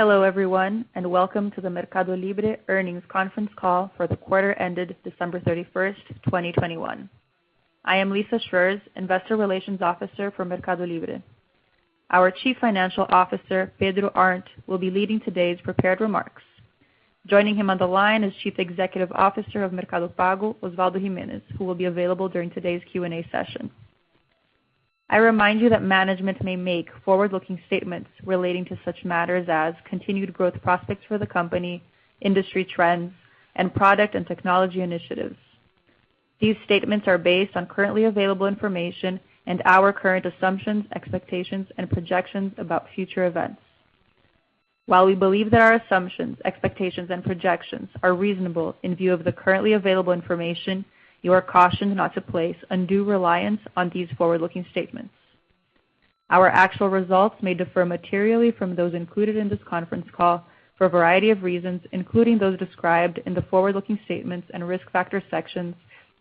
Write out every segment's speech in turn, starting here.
Hello, everyone, and welcome to the MercadoLibre Earnings Conference Call Fourth Quarter Ended December 31, 2021. I am Lissa Schreurs, Investor Relations Officer for MercadoLibre. Our Chief Financial Officer, Pedro Arnt, will be leading today's prepared remarks. Joining him on the line is Chief Executive Officer of Mercado Pago, Osvaldo Giménez, who will be available during today's Q&A session. I remind you that management may make forward-looking statements relating to such matters as continued growth prospects for the company, industry trends, and product and technology initiatives. These statements are based on currently available information and our current assumptions, expectations, and projections about future events. While we believe that our assumptions, expectations, and projections are reasonable in view of the currently available information, you are cautioned not to place undue reliance on these forward-looking statements. Our actual results may differ materially from those included in this conference call for a variety of reasons, including those described in the forward-looking statements and risk factor sections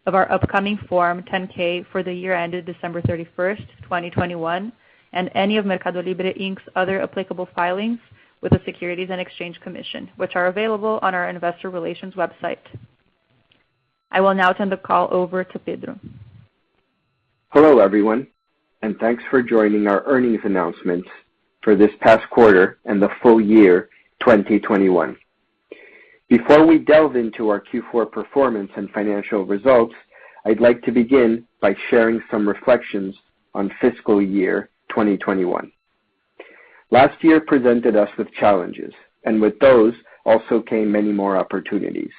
of our upcoming Form 10-K for the year ended December 31, 2021, and any of MercadoLibre, Inc other applicable filings with the Securities and Exchange Commission, which are available on our investor relations website. I will now turn the call over to Pedro. Hello, everyone, and thanks for joining our earnings announcements for this past quarter and the full year 2021. Before we delve into our Q4 performance and financial results, I'd like to begin by sharing some reflections on fiscal year 2021. Last year presented us with challenges, and with those also came many more opportunities.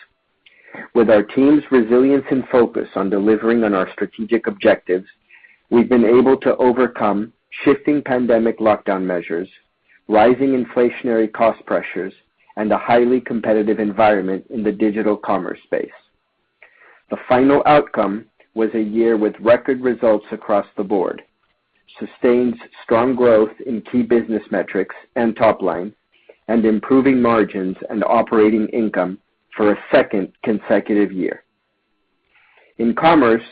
With our team's resilience and focus on delivering on our strategic objectives, we've been able to overcome shifting pandemic lockdown measures, rising inflationary cost pressures, and a highly competitive environment in the digital commerce space. The final outcome was a year with record results across the board, sustained strong growth in key business metrics and top line, and improving margins and operating income for a second consecutive year. In commerce,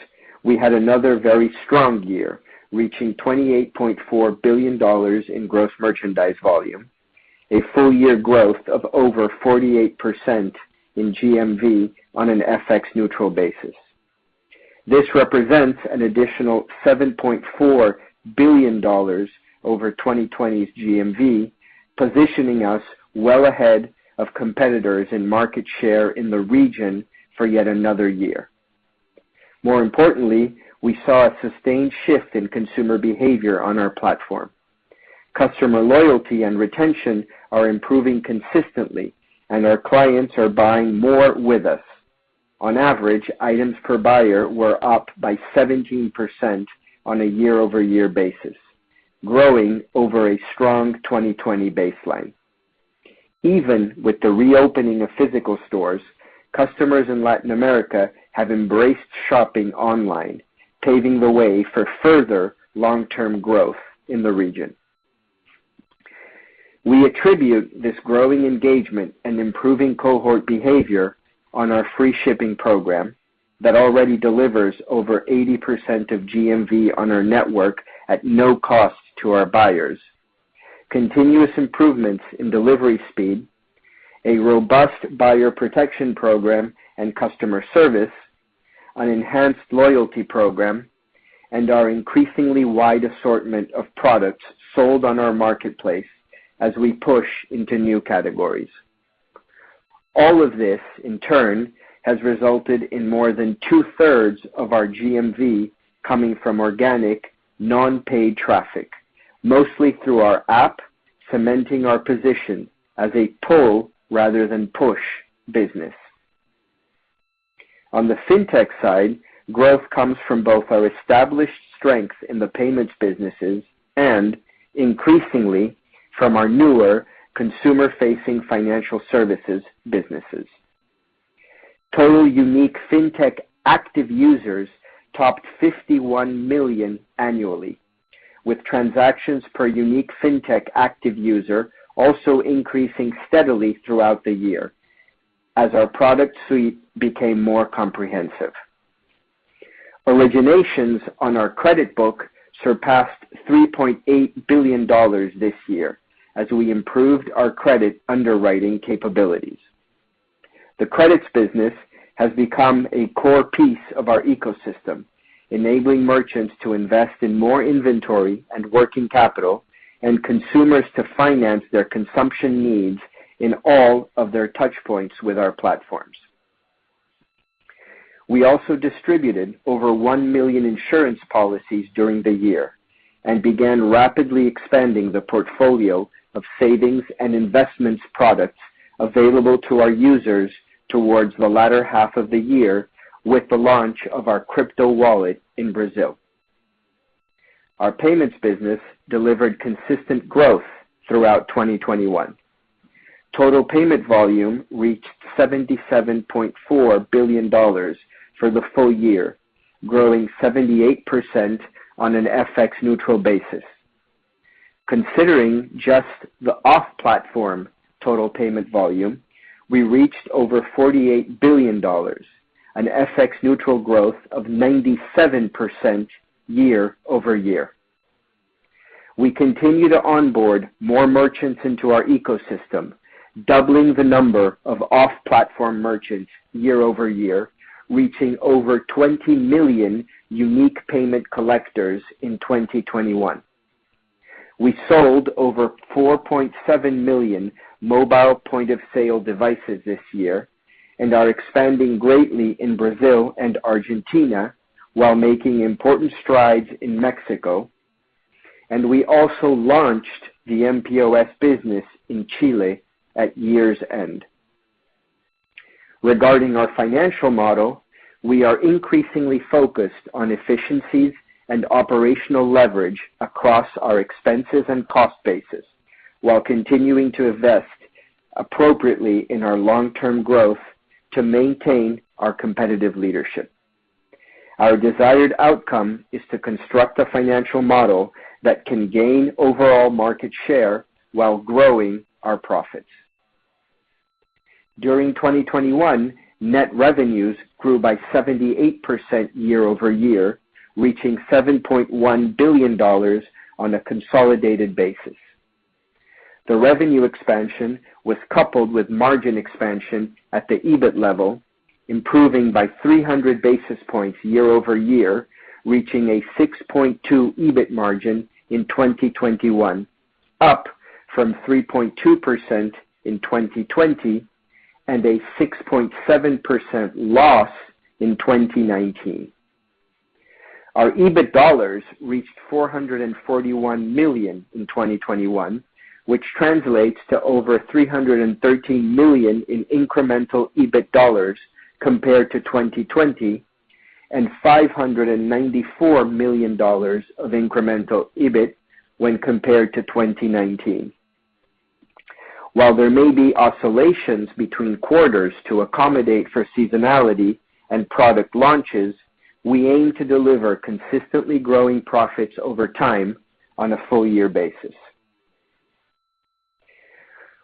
we had another very strong year, reaching $28.4 billion in gross merchandise volume, a full year growth of over 48% in GMV on an FX-neutral basis. This represents an additional $7.4 billion over 2020's GMV, positioning us well ahead of competitors in market share in the region for yet another year. More importantly, we saw a sustained shift in consumer behavior on our platform. Customer loyalty and retention are improving consistently, and our clients are buying more with us. On average, items per buyer were up by 17% on a year-over-year basis, growing over a strong 2020 baseline. Even with the reopening of physical stores, customers in Latin America have embraced shopping online, paving the way for further long-term growth in the region. We attribute this growing engagement and improving cohort behavior to our free shipping program that already delivers over 80% of GMV on our network at no cost to our buyers, continuous improvements in delivery speed, a robust buyer protection program, and customer service, an enhanced loyalty program, and our increasingly wide assortment of products sold on our marketplace as we push into new categories. All of this, in turn, has resulted in more than two-thirds of our GMV coming from organic, non-paid traffic, mostly through our app, cementing our position as a pull rather than push business. On the fintech side, growth comes from both our established strength in the payments businesses and increasingly from our newer consumer-facing financial services businesses. Total unique fintech active users topped 51 million annually, with transactions per unique fintech active user also increasing steadily throughout the year as our product suite became more comprehensive. Originations on our credit book surpassed $3.8 billion this year as we improved our credit underwriting capabilities. The credits business has become a core piece of our ecosystem, enabling merchants to invest in more inventory and working capital and consumers to finance their consumption needs in all of their touch points with our platforms. We also distributed over 1 million insurance policies during the year and began rapidly expanding the portfolio of savings and investments products available to our users towards the latter half of the year with the launch of our crypto wallet in Brazil. Our payments business delivered consistent growth throughout 2021. Total payment volume reached $77.4 billion for the full year, growing 78% on an FX-neutral basis. Considering just the off-platform total payment volume, we reached over $48 billion. An FX-neutral growth of 97% year-over-year. We continue to onboard more merchants into our ecosystem, doubling the number of off-platform merchants year-over-year, reaching over 20 million unique payment collectors in 2021. We sold over 4.7 million mobile point-of-sale devices this year and are expanding greatly in Brazil and Argentina while making important strides in Mexico, and we also launched the mPOS business in Chile at year's end. Regarding our financial model, we are increasingly focused on efficiencies and operational leverage across our expenses and cost bases, while continuing to invest appropriately in our long-term growth to maintain our competitive leadership. Our desired outcome is to construct a financial model that can gain overall market share while growing our profits. During 2021, net revenues grew by 78% year-over-year, reaching $7.1 billion on a consolidated basis. The revenue expansion was coupled with margin expansion at the EBIT level, improving by 300 basis points year-over-year, reaching a 6.2% EBIT margin in 2021, up from 3.2% in 2020 and a 6.7% loss in 2019. Our EBIT dollars reached $441 million in 2021, which translates to over $313 million in incremental EBIT dollars compared to 2020 and $594 million of incremental EBIT when compared to 2019. While there may be oscillations between quarters to accommodate for seasonality and product launches, we aim to deliver consistently growing profits over time on a full year basis.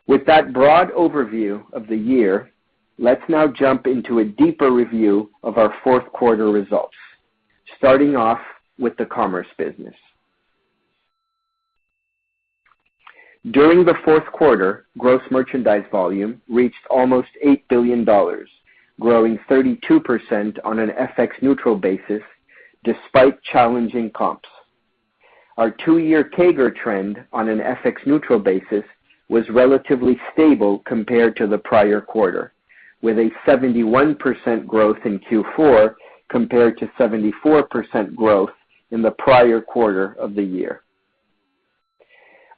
With that broad overview of the year, let's now jump into a deeper review of our fourth quarter results, starting off with the commerce business. During the fourth quarter, gross merchandise volume reached almost $8 billion, growing 32% on an FX-neutral basis despite challenging comps. Our two-year CAGR trend on an FX-neutral basis was relatively stable compared to the prior quarter, with a 71% growth in Q4 compared to 74% growth in the prior quarter of the year.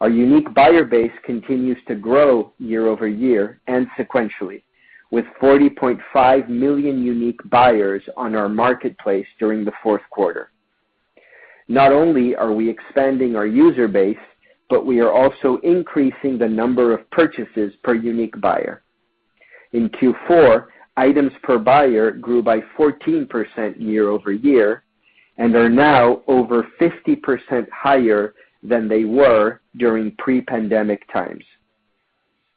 Our unique buyer base continues to grow year-over-year and sequentially, with 40.5 million unique buyers on our marketplace during the fourth quarter. Not only are we expanding our user base, but we are also increasing the number of purchases per unique buyer. In Q4, items per buyer grew by 14% year-over-year and are now over 50% higher than they were during pre-pandemic times.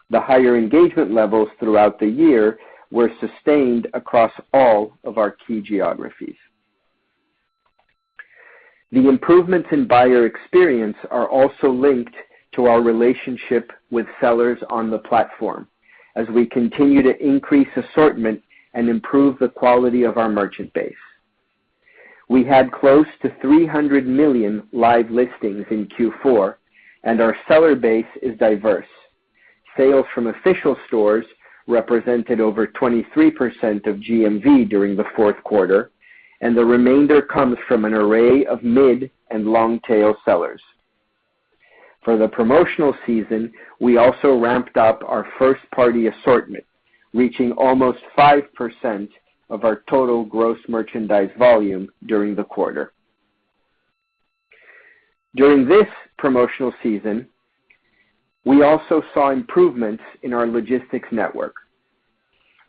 The higher engagement levels throughout the year were sustained across all of our key geographies. The improvements in buyer experience are also linked to our relationship with sellers on the platform as we continue to increase assortment and improve the quality of our merchant base. We had close to 300 million live listings in Q4 and our seller base is diverse. Sales from official stores represented over 23% of GMV during the fourth quarter, and the remainder comes from an array of mid and long-tail sellers. For the promotional season, we also ramped up our first-party assortment, reaching almost 5% of our total gross merchandise volume during the quarter. During this promotional season, we also saw improvements in our logistics network.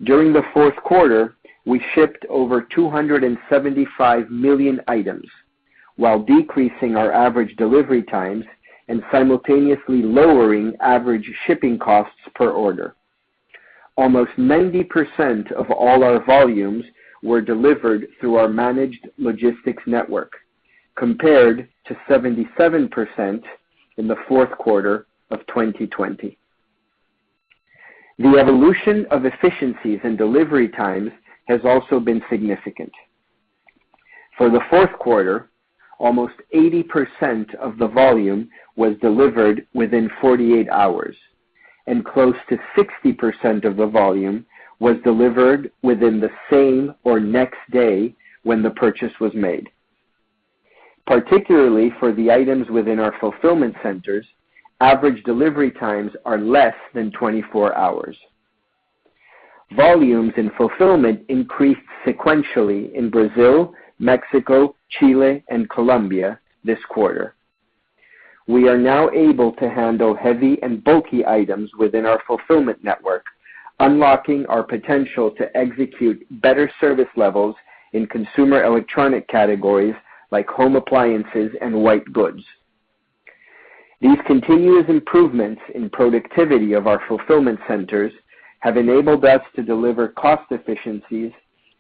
During the fourth quarter, we shipped over 275 million items while decreasing our average delivery times and simultaneously lowering average shipping costs per order. Almost 90% of all our volumes were delivered through our managed logistics network, compared to 77% in the fourth quarter of 2020. The evolution of efficiencies and delivery times has also been significant. For the fourth quarter, almost 80% of the volume was delivered within 48 hours, and close to 60% of the volume was delivered within the same or next day when the purchase was made. Particularly for the items within our fulfillment centers, average delivery times are less than 24 hours. Volumes and fulfillment increased sequentially in Brazil, Mexico, Chile, and Colombia this quarter. We are now able to handle heavy and bulky items within our fulfillment network, unlocking our potential to execute better service levels in consumer electronic categories like home appliances and white goods. These continuous improvements in productivity of our fulfillment centers have enabled us to deliver cost efficiencies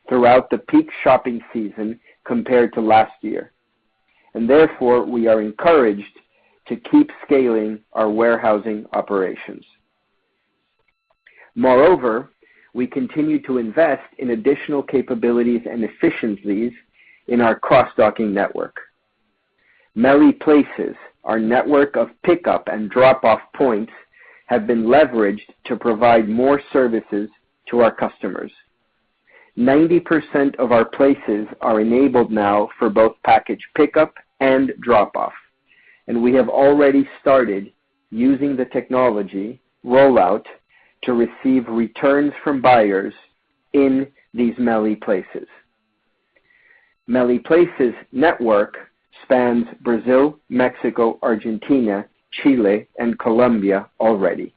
throughout the peak shopping season compared to last year, and therefore, we are encouraged to keep scaling our warehousing operations. Moreover, we continue to invest in additional capabilities and efficiencies in our cross-docking network. MELI Places, our network of pickup and drop-off points, have been leveraged to provide more services to our customers. 90% of our places are enabled now for both package pickup and drop off, and we have already started using the technology rollout to receive returns from buyers in these MELI Places. MELI Places network spans Brazil, Mexico, Argentina, Chile, and Colombia already.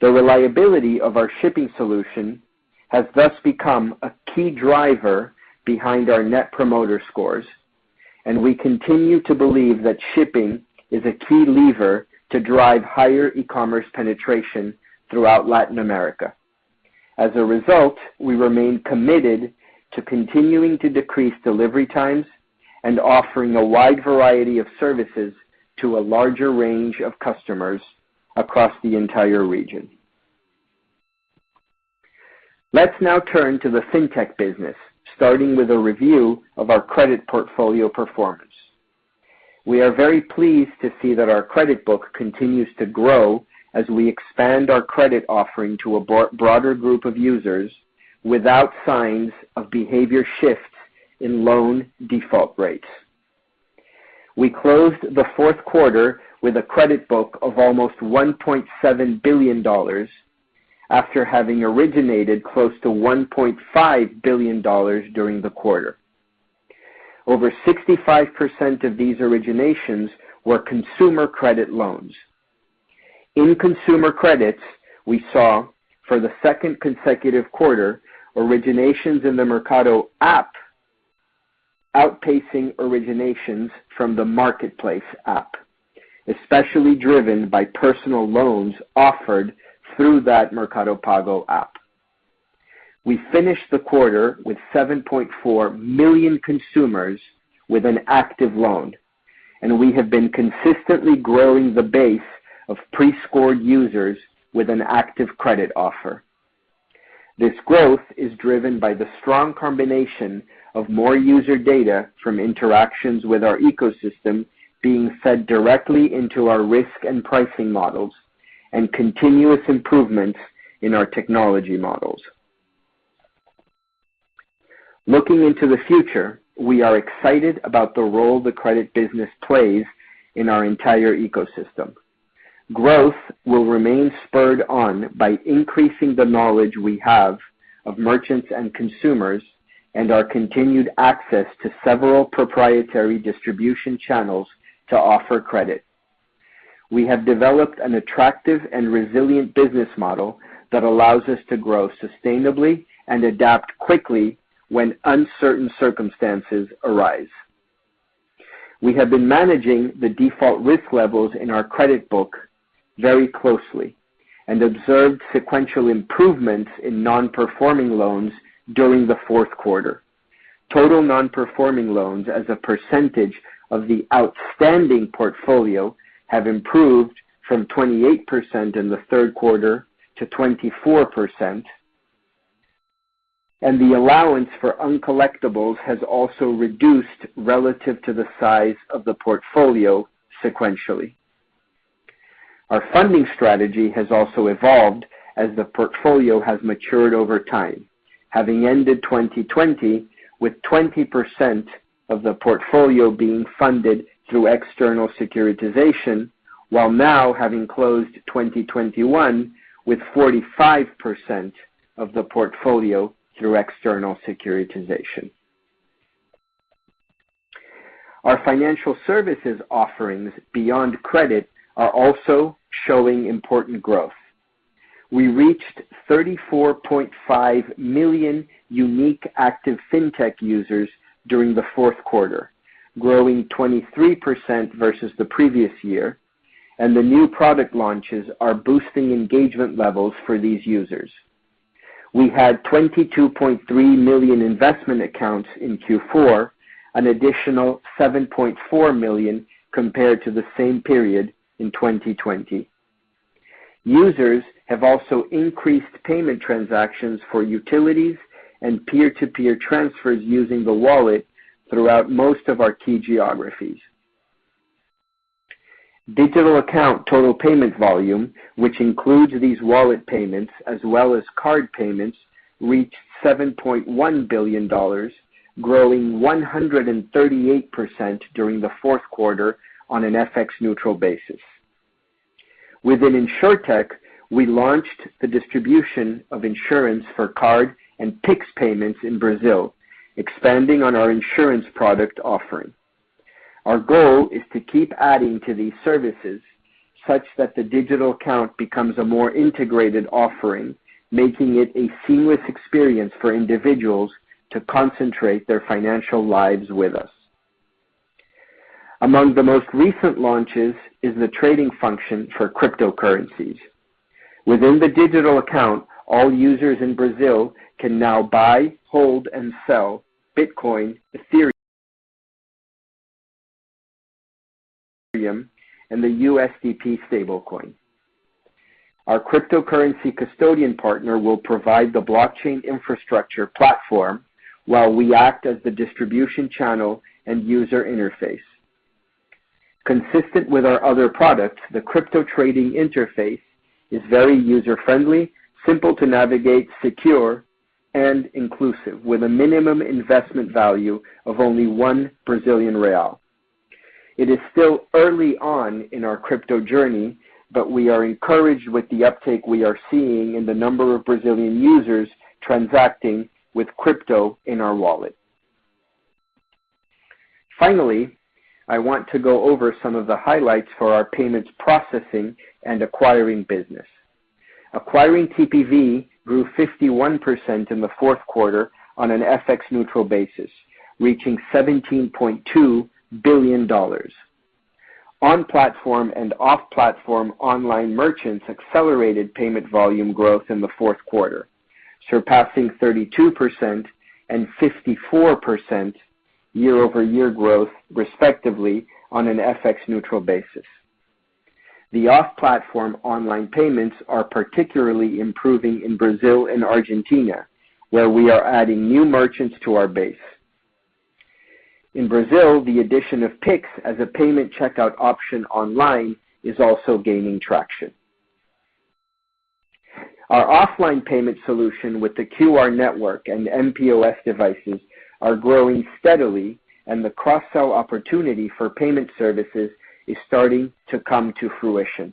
The reliability of our shipping solution has thus become a key driver behind our net promoter scores, and we continue to believe that shipping is a key lever to drive higher e-commerce penetration throughout Latin America. As a result, we remain committed to continuing to decrease delivery times and offering a wide variety of services to a larger range of customers across the entire region. Let's now turn to the Fintech business, starting with a review of our credit portfolio performance. We are very pleased to see that our credit book continues to grow as we expand our credit offering to a broader group of users without signs of behavior shifts in loan default rates. We closed the fourth quarter with a credit book of almost $1.7 billion after having originated close to $1.5 billion during the quarter. Over 65% of these originations were consumer credit loans. In consumer credits, we saw, for the second consecutive quarter, originations in the Mercado app outpacing originations from the Marketplace app, especially driven by personal loans offered through that Mercado Pago app. We finished the quarter with 7.4 million consumers with an active loan, and we have been consistently growing the base of pre-scored users with an active credit offer. This growth is driven by the strong combination of more user data from interactions with our ecosystem being fed directly into our risk and pricing models and continuous improvements in our technology models. Looking into the future, we are excited about the role the credit business plays in our entire ecosystem. Growth will remain spurred on by increasing the knowledge we have of merchants and consumers and our continued access to several proprietary distribution channels to offer credit. We have developed an attractive and resilient business model that allows us to grow sustainably and adapt quickly when uncertain circumstances arise. We have been managing the default risk levels in our credit book very closely and observed sequential improvements in non-performing loans during the fourth quarter. Total non-performing loans as a percentage of the outstanding portfolio have improved from 28% in the third quarter to 24%. The allowance for uncollectibles has also reduced relative to the size of the portfolio sequentially. Our funding strategy has also evolved as the portfolio has matured over time, having ended 2020 with 20% of the portfolio being funded through external securitization, while now having closed 2021 with 45% of the portfolio through external securitization. Our financial services offerings beyond credit are also showing important growth. We reached 34.5 million unique active Fintech users during the fourth quarter, growing 23% versus the previous year, and the new product launches are boosting engagement levels for these users. We had 22.3 million investment accounts in Q4, an additional 7.4 million compared to the same period in 2020. Users have also increased payment transactions for utilities and peer-to-peer transfers using the wallet throughout most of our key geographies. Digital account total payment volume, which includes these wallet payments as well as card payments, reached $7.1 billion, growing 138% during the fourth quarter on an FX-neutral basis. Within insurtech, we launched the distribution of insurance for card and Pix payments in Brazil, expanding on our insurance product offering. Our goal is to keep adding to these services such that the digital account becomes a more integrated offering, making it a seamless experience for individuals to concentrate their financial lives with us. Among the most recent launches is the trading function for cryptocurrencies. Within the digital account, all users in Brazil can now buy, hold, and sell Bitcoin, Ethereum, and the USDP stablecoin. Our cryptocurrency custodian partner will provide the blockchain infrastructure platform while we act as the distribution channel and user interface. Consistent with our other products, the crypto trading interface is very user-friendly, simple to navigate, secure and inclusive, with a minimum investment value of only 1 Brazilian real. It is still early on in our crypto journey, but we are encouraged with the uptake we are seeing in the number of Brazilian users transacting with crypto in our wallet. Finally, I want to go over some of the highlights for our payments processing and acquiring business. Acquiring TPV grew 51% in the fourth quarter on an FX-neutral basis, reaching $17.2 billion. On-platform and off-platform online merchants accelerated payment volume growth in the fourth quarter, surpassing 32% and 54% year-over-year growth, respectively, on an FX-neutral basis. The off-platform online payments are particularly improving in Brazil and Argentina, where we are adding new merchants to our base. In Brazil, the addition of Pix as a payment checkout option online is also gaining traction. Our offline payment solution with the QR network and mPOS devices are growing steadily and the cross-sell opportunity for payment services is starting to come to fruition.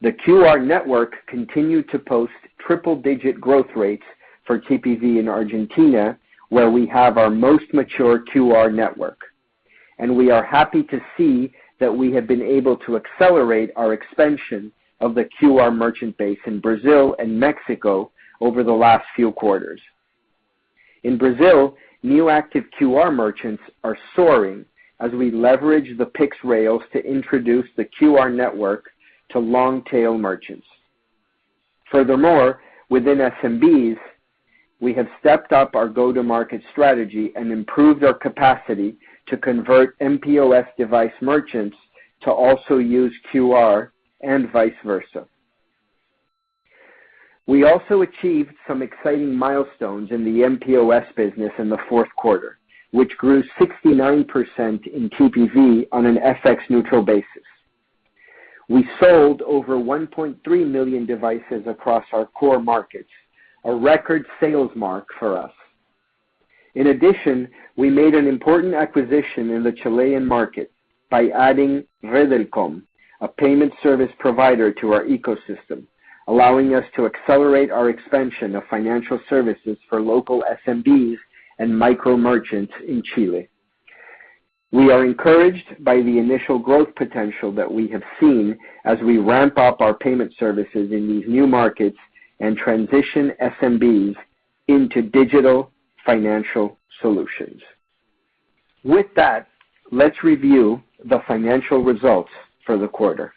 The QR network continued to post triple digit growth rates for TPV in Argentina, where we have our most mature QR network. We are happy to see that we have been able to accelerate our expansion of the QR merchant base in Brazil and Mexico over the last few quarters. In Brazil, new active QR merchants are soaring as we leverage the Pix rails to introduce the QR network to long-tail merchants. Furthermore, within SMBs, we have stepped up our go-to-market strategy and improved our capacity to convert mPOS device merchants to also use QR and vice versa. We also achieved some exciting milestones in the mPOS business in the fourth quarter, which grew 69% in TPV on an FX-neutral basis. We sold over 1.3 million devices across our core markets, a record sales mark for us. In addition, we made an important acquisition in the Chilean market by adding Redelcom, a payment service provider, to our ecosystem, allowing us to accelerate our expansion of financial services for local SMBs and micro-merchants in Chile. We are encouraged by the initial growth potential that we have seen as we ramp up our payment services in these new markets and transition SMBs into digital financial solutions. With that, let's review the financial results for the quarter.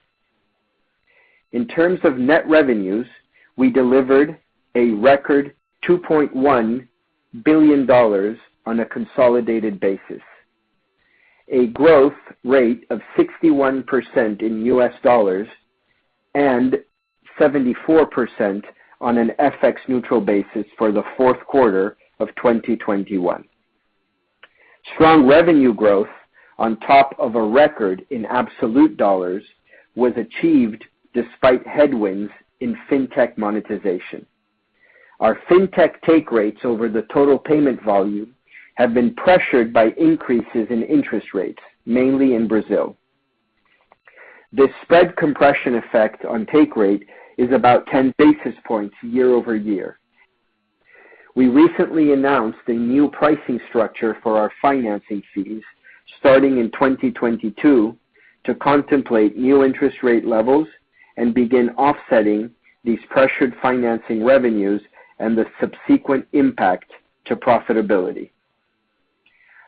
In terms of net revenues, we delivered a record $2.1 billion on a consolidated basis, a growth rate of 61% in USD and 74% on an FX-neutral basis for the fourth quarter of 2021. Strong revenue growth on top of a record in absolute dollars was achieved despite headwinds in fintech monetization. Our fintech take rates over the total payment volume have been pressured by increases in interest rates, mainly in Brazil. This spread compression effect on take rate is about 10 basis points year-over-year. We recently announced a new pricing structure for our financing fees starting in 2022 to contemplate new interest rate levels and begin offsetting these pressured financing revenues and the subsequent impact to profitability.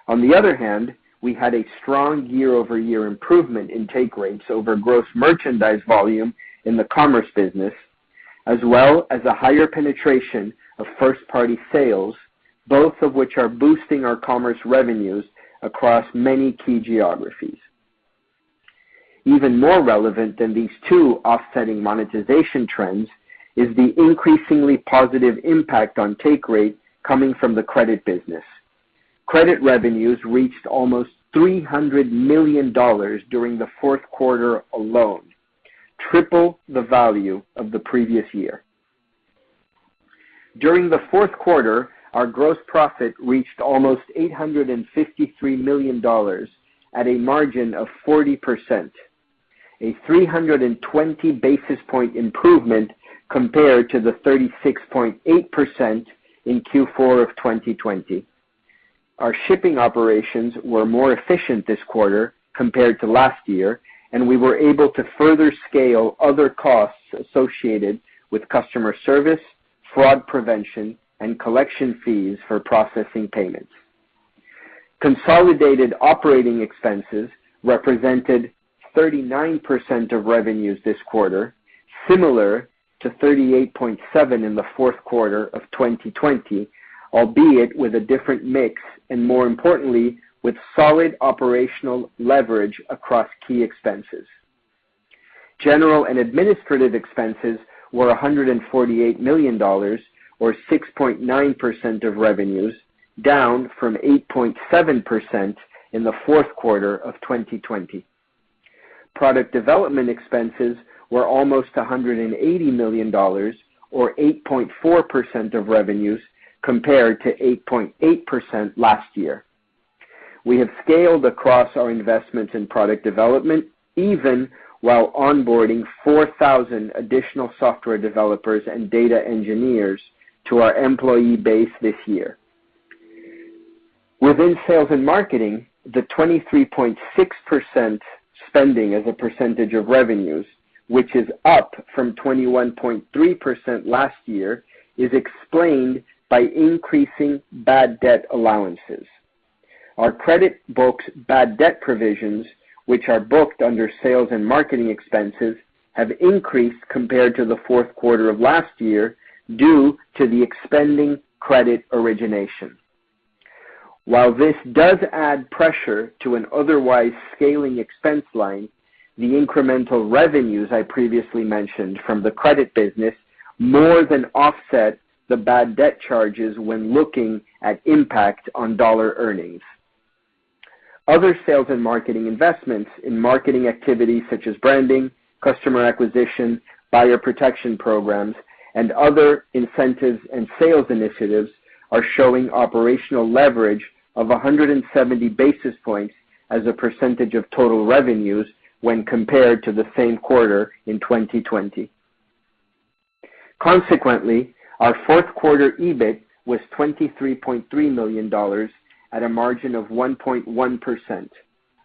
On the other hand, we had a strong year-over-year improvement in take rates over gross merchandise volume in the commerce business, as well as a higher penetration of first party sales, both of which are boosting our commerce revenues across many key geographies. Even more relevant than these two offsetting monetization trends is the increasingly positive impact on take rate coming from the credit business. Credit revenues reached almost $300 million during the fourth quarter alone, triple the value of the previous year. During the fourth quarter, our gross profit reached almost $853 million at a margin of 40%, a 320 basis point improvement compared to the 36.8% in Q4 of 2020. Our shipping operations were more efficient this quarter compared to last year, and we were able to further scale other costs associated with customer service, fraud prevention, and collection fees for processing payments. Consolidated operating expenses represented 39% of revenues this quarter, similar to 38.7% in the fourth quarter of 2020, albeit with a different mix and more importantly, with solid operational leverage across key expenses. General and administrative expenses were $148 million or 6.9% of revenues, down from 8.7% in the fourth quarter of 2020. Product development expenses were almost $180 million or 8.4% of revenues compared to 8.8% last year. We have scaled across our investments in product development even while onboarding 4,000 additional software developers and data engineers to our employee base this year. Within sales and marketing, the 23.6% spending as a percentage of revenues, which is up from 21.3% last year, is explained by increasing bad debt allowances. Our credit book's bad debt provisions, which are booked under sales and marketing expenses, have increased compared to the fourth quarter of last year due to the expanding credit origination. While this does add pressure to an otherwise scaling expense line, the incremental revenues I previously mentioned from the credit business more than offset the bad debt charges when looking at impact on dollar earnings. Other sales and marketing investments in marketing activities such as branding, customer acquisition, buyer protection programs, and other incentives and sales initiatives are showing operational leverage of 170 basis points as a percentage of total revenues when compared to the same quarter in 2020. Consequently, our fourth quarter EBIT was $23.3 million at a margin of 1.1%,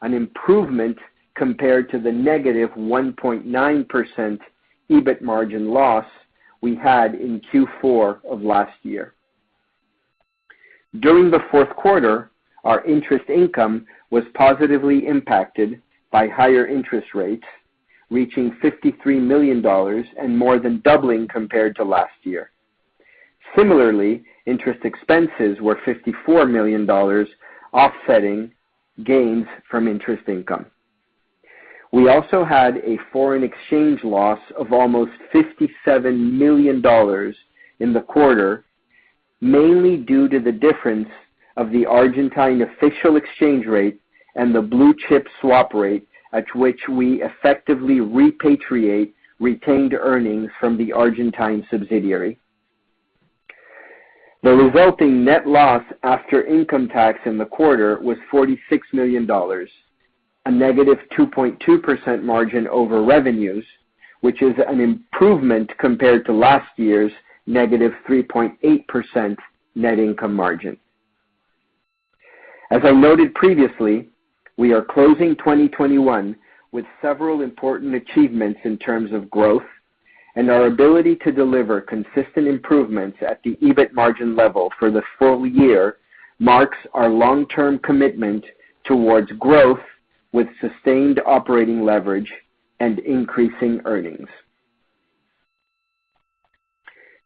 an improvement compared to the -1.9% EBIT margin loss we had in Q4 of last year. During the fourth quarter, our interest income was positively impacted by higher interest rates reaching $53 million and more than doubling compared to last year. Similarly, interest expenses were $54 million, offsetting gains from interest income. We also had a foreign exchange loss of almost $57 million in the quarter, mainly due to the difference of the Argentine official exchange rate and the blue-chip swap rate at which we effectively repatriate retained earnings from the Argentine subsidiary. The resulting net loss after income tax in the quarter was $46 million, a negative 2.2% margin over revenues, which is an improvement compared to last year's negative 3.8% net income margin. As I noted previously, we are closing 2021 with several important achievements in terms of growth, and our ability to deliver consistent improvements at the EBIT margin level for the full year marks our long-term commitment towards growth with sustained operating leverage and increasing earnings.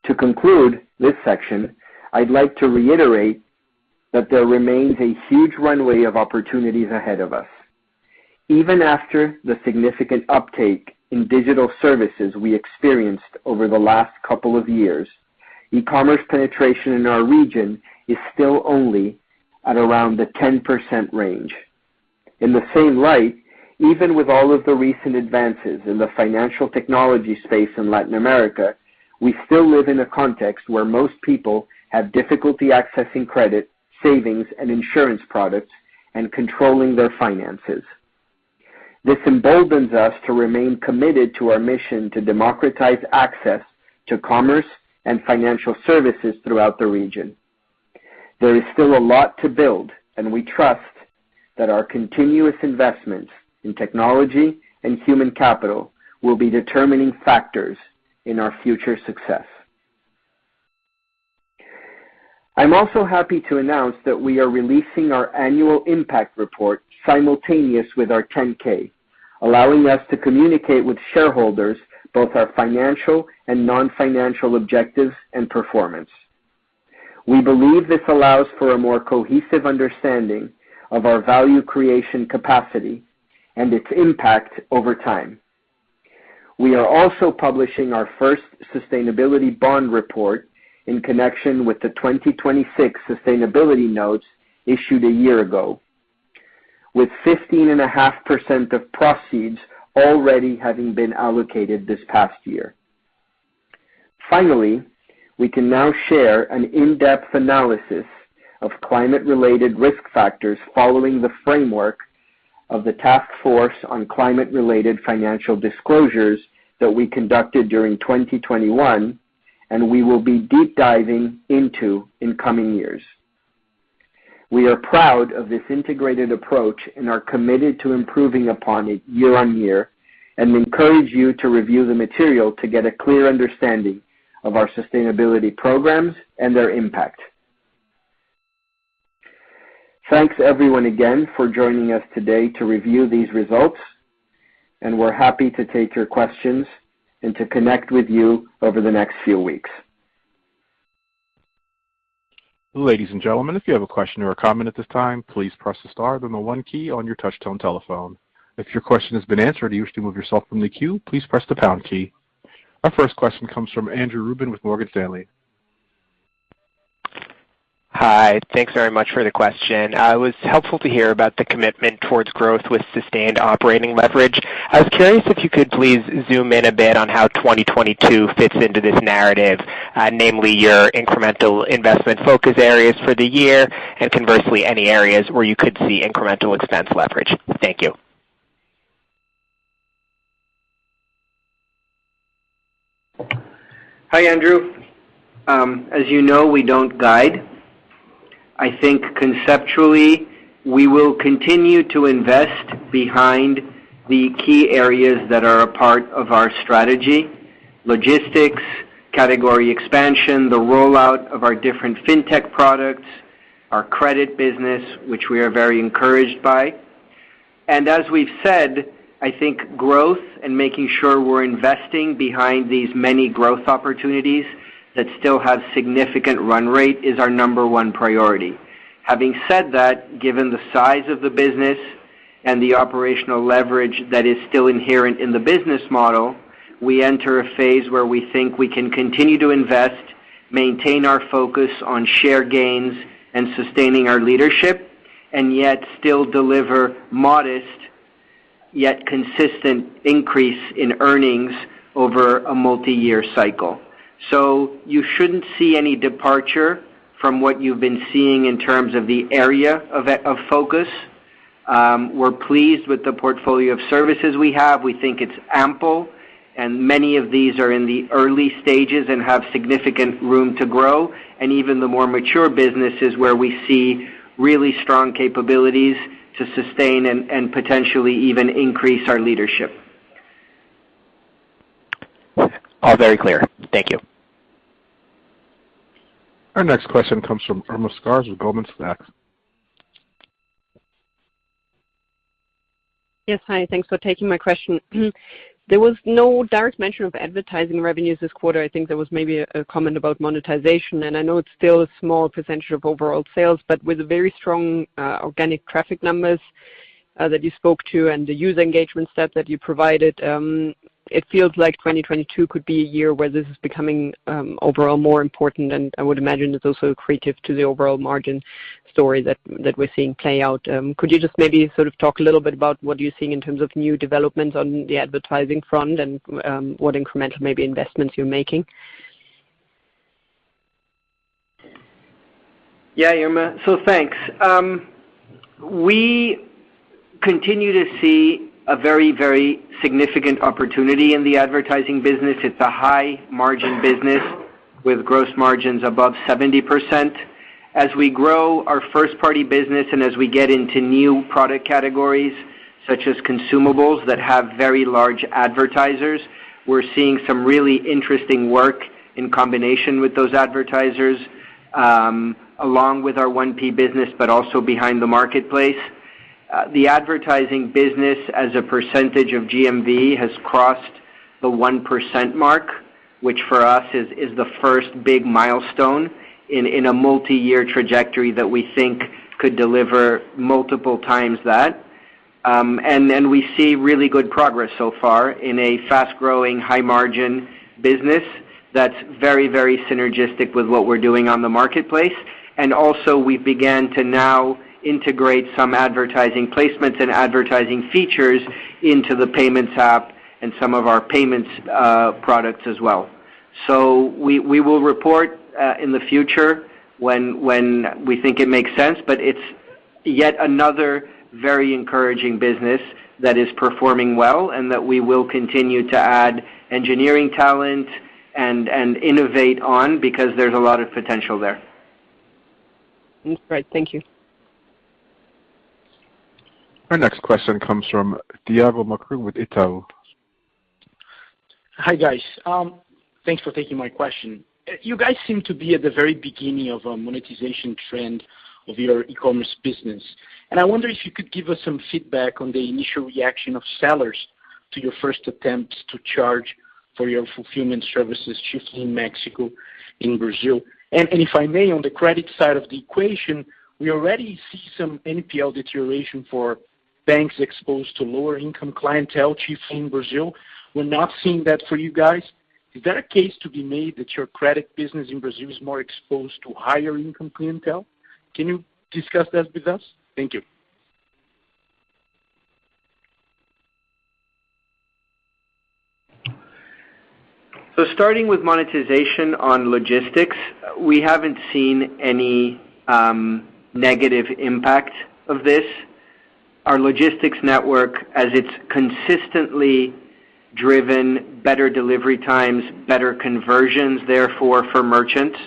To conclude this section, I'd like to reiterate that there remains a huge runway of opportunities ahead of us. Even after the significant uptake in digital services we experienced over the last couple of years, e-commerce penetration in our region is still only at around the 10% range. In the same light, even with all of the recent advances in the financial technology space in Latin America, we still live in a context where most people have difficulty accessing credit, savings, and insurance products and controlling their finances. This emboldens us to remain committed to our mission to democratize access to commerce and financial services throughout the region. There is still a lot to build, and we trust that our continuous investments in technology and human capital will be determining factors in our future success. I'm also happy to announce that we are releasing our annual impact report simultaneous with our 10-K, allowing us to communicate with shareholders both our financial and non-financial objectives and performance. We believe this allows for a more cohesive understanding of our value creation capacity and its impact over time. We are also publishing our first sustainability bond report in connection with the 2026 sustainability notes issued a year ago, with 15.5% of proceeds already having been allocated this past year. Finally, we can now share an in-depth analysis of climate-related risk factors following the framework. of the Task Force on Climate-Related Financial Disclosures that we conducted during 2021, and we will be deep diving into in coming years. We are proud of this integrated approach and are committed to improving upon it year-on-year, and encourage you to review the material to get a clear understanding of our sustainability programs and their impact. Thanks everyone again for joining us today to review these results, and we're happy to take your questions and to connect with you over the next few weeks. Ladies and gentlemen, if you have a question or a comment at this time, please press the star then the one key on your touchtone telephone. If your question has been answered or you wish to remove yourself from the queue, please press the pound key. Our first question comes from Andrew Ruben with Morgan Stanley. Hi. Thanks very much for the question. It was helpful to hear about the commitment towards growth with sustained operating leverage. I was curious if you could please zoom in a bit on how 2022 fits into this narrative, namely your incremental investment focus areas for the year, and conversely any areas where you could see incremental expense leverage. Thank you. Hi, Andrew. As you know, we don't guide. I think conceptually we will continue to invest behind the key areas that are a part of our strategy. Logistics, category expansion, the rollout of our different fintech products, our credit business, which we are very encouraged by. As we've said, I think growth and making sure we're investing behind these many growth opportunities that still have significant runway is our number one priority. Having said that, given the size of the business and the operational leverage that is still inherent in the business model, we enter a phase where we think we can continue to invest, maintain our focus on share gains and sustaining our leadership, and yet still deliver modest yet consistent increase in earnings over a multiyear cycle. You shouldn't see any departure from what you've been seeing in terms of the area of focus. We're pleased with the portfolio of services we have. We think it's ample, and many of these are in the early stages and have significant room to grow. Even the more mature businesses where we see really strong capabilities to sustain and potentially even increase our leadership. All very clear. Thank you. Our next question comes from Irma Sgarz with Goldman Sachs. Yes. Hi. Thanks for taking my question. There was no direct mention of advertising revenues this quarter. I think there was maybe a comment about monetization, and I know it's still a small percentage of overall sales, but with very strong organic traffic numbers that you spoke to and the user engagement stats that you provided, it feels like 2022 could be a year where this is becoming overall more important. I would imagine it's also accretive to the overall margin story that we're seeing play out. Could you just maybe sort of talk a little bit about what you're seeing in terms of new developments on the advertising front and what incremental maybe investments you're making? Yeah, Irma. Thanks. We continue to see a very, very significant opportunity in the advertising business. It's a high margin business with gross margins above 70%. As we grow our first party business and as we get into new product categories such as consumables that have very large advertisers, we're seeing some really interesting work in combination with those advertisers, along with our 1P business, but also behind the marketplace. The advertising business as a percentage of GMV has crossed the 1% mark, which for us is the first big milestone in a multi-year trajectory that we think could deliver multiple times that. Then we see really good progress so far in a fast-growing, high-margin business that's very, very synergistic with what we're doing on the marketplace. Also we began to now integrate some advertising placements and advertising features into the payments app and some of our payments products as well. We will report in the future when we think it makes sense, but it's yet another very encouraging business that is performing well, and that we will continue to add engineering talent and innovate on because there's a lot of potential there. That's great. Thank you. Our next question comes from Thiago Macruz with Itaú. Hi, guys. Thanks for taking my question. You guys seem to be at the very beginning of a monetization trend of your e-commerce business, and I wonder if you could give us some feedback on the initial reaction of sellers to your first attempts to charge for your fulfillment services, chiefly in Mexico, in Brazil. If I may, on the credit side of the equation, we already see some NPL deterioration for banks exposed to lower income clientele, chiefly in Brazil. We're not seeing that for you guys. Is there a case to be made that your credit business in Brazil is more exposed to higher income clientele? Can you discuss that with us? Thank you. Starting with monetization on logistics, we haven't seen any negative impact of this. Our logistics network, as it's consistently driven better delivery times, better conversions therefore for merchants,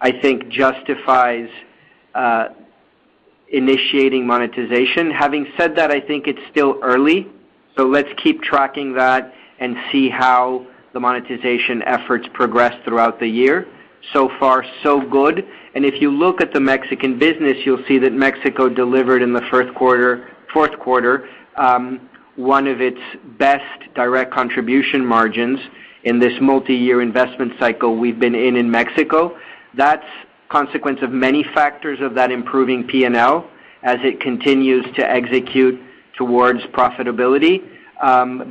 I think justifies initiating monetization. Having said that, I think it's still early, so let's keep tracking that and see how the monetization efforts progress throughout the year. So far, so good. If you look at the Mexican business, you'll see that Mexico delivered in the fourth quarter one of its best direct contribution margins in this multi-year investment cycle we've been in Mexico. That's consequence of many factors of that improving P&L as it continues to execute towards profitability.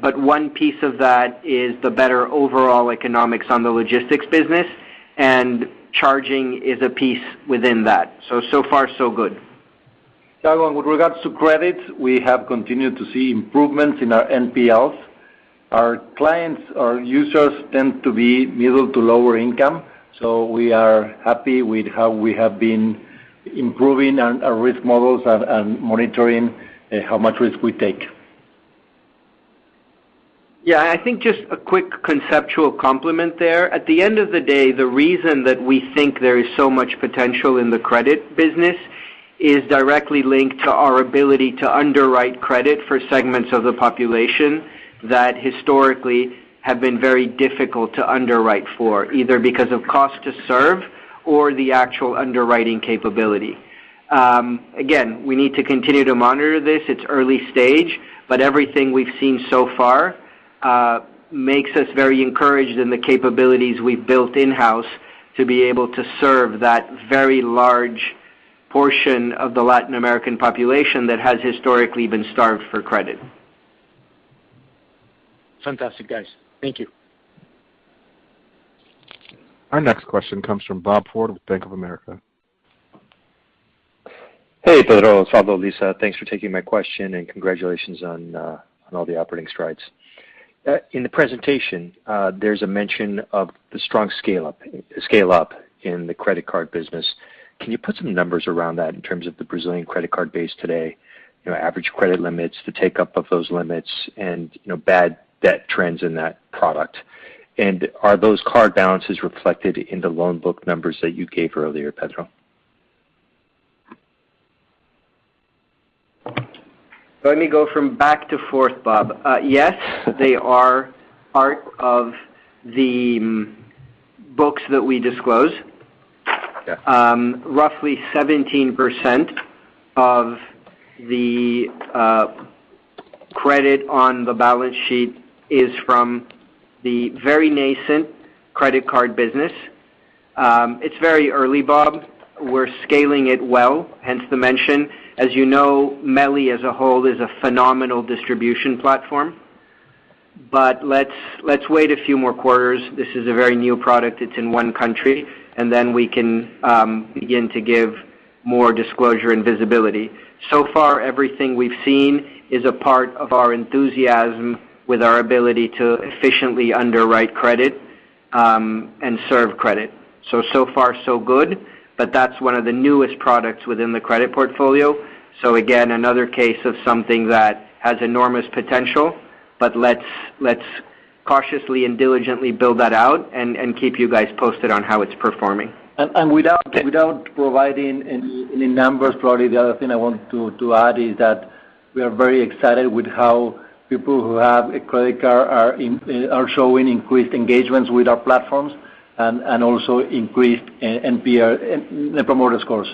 One piece of that is the better overall economics on the logistics business, and charging is a piece within that. So far, so good. With regards to credits, we have continued to see improvements in our NPLs. Our clients, our users tend to be middle to lower income, so we are happy with how we have been improving our risk models and monitoring how much risk we take. Yeah. I think just a quick conceptual complement there. At the end of the day, the reason that we think there is so much potential in the credit business is directly linked to our ability to underwrite credit for segments of the population that historically have been very difficult to underwrite for, either because of cost to serve or the actual underwriting capability. Again, we need to continue to monitor this. It's early stage, but everything we've seen so far makes us very encouraged in the capabilities we've built in-house to be able to serve that very large portion of the Latin American population that has historically been starved for credit. Fantastic, guys. Thank you. Our next question comes from Robert Ford with Bank of America. Hey, Pedro, Osvaldo, Lissa. Thanks for taking my question, and congratulations on all the operating strides. In the presentation, there's a mention of the strong scale up in the credit card business. Can you put some numbers around that in terms of the Brazilian credit card base today, you know, average credit limits, the take-up of those limits and, you know, bad debt trends in that product? And are those card balances reflected in the loan book numbers that you gave earlier, Pedro? Let me go from back to front, Robert. Yes, they are part of the books that we disclose. Yeah. Roughly 17% of the credit on the balance sheet is from the very nascent credit card business. It's very early, Robert. We're scaling it well, hence the mention. As you know, MELI as a whole is a phenomenal distribution platform. Let's wait a few more quarters. This is a very new product. It's in one country, and then we can begin to give more disclosure and visibility. So far, everything we've seen is a part of our enthusiasm with our ability to efficiently underwrite credit and serve credit. So far, so good, but that's one of the newest products within the credit portfolio. Again, another case of something that has enormous potential, but let's cautiously and diligently build that out and keep you guys posted on how it's performing. Without providing any numbers, probably the other thing I want to add is that we are very excited with how people who have a credit card are showing increased engagements with our platforms and also increased NPS, net promoter scores.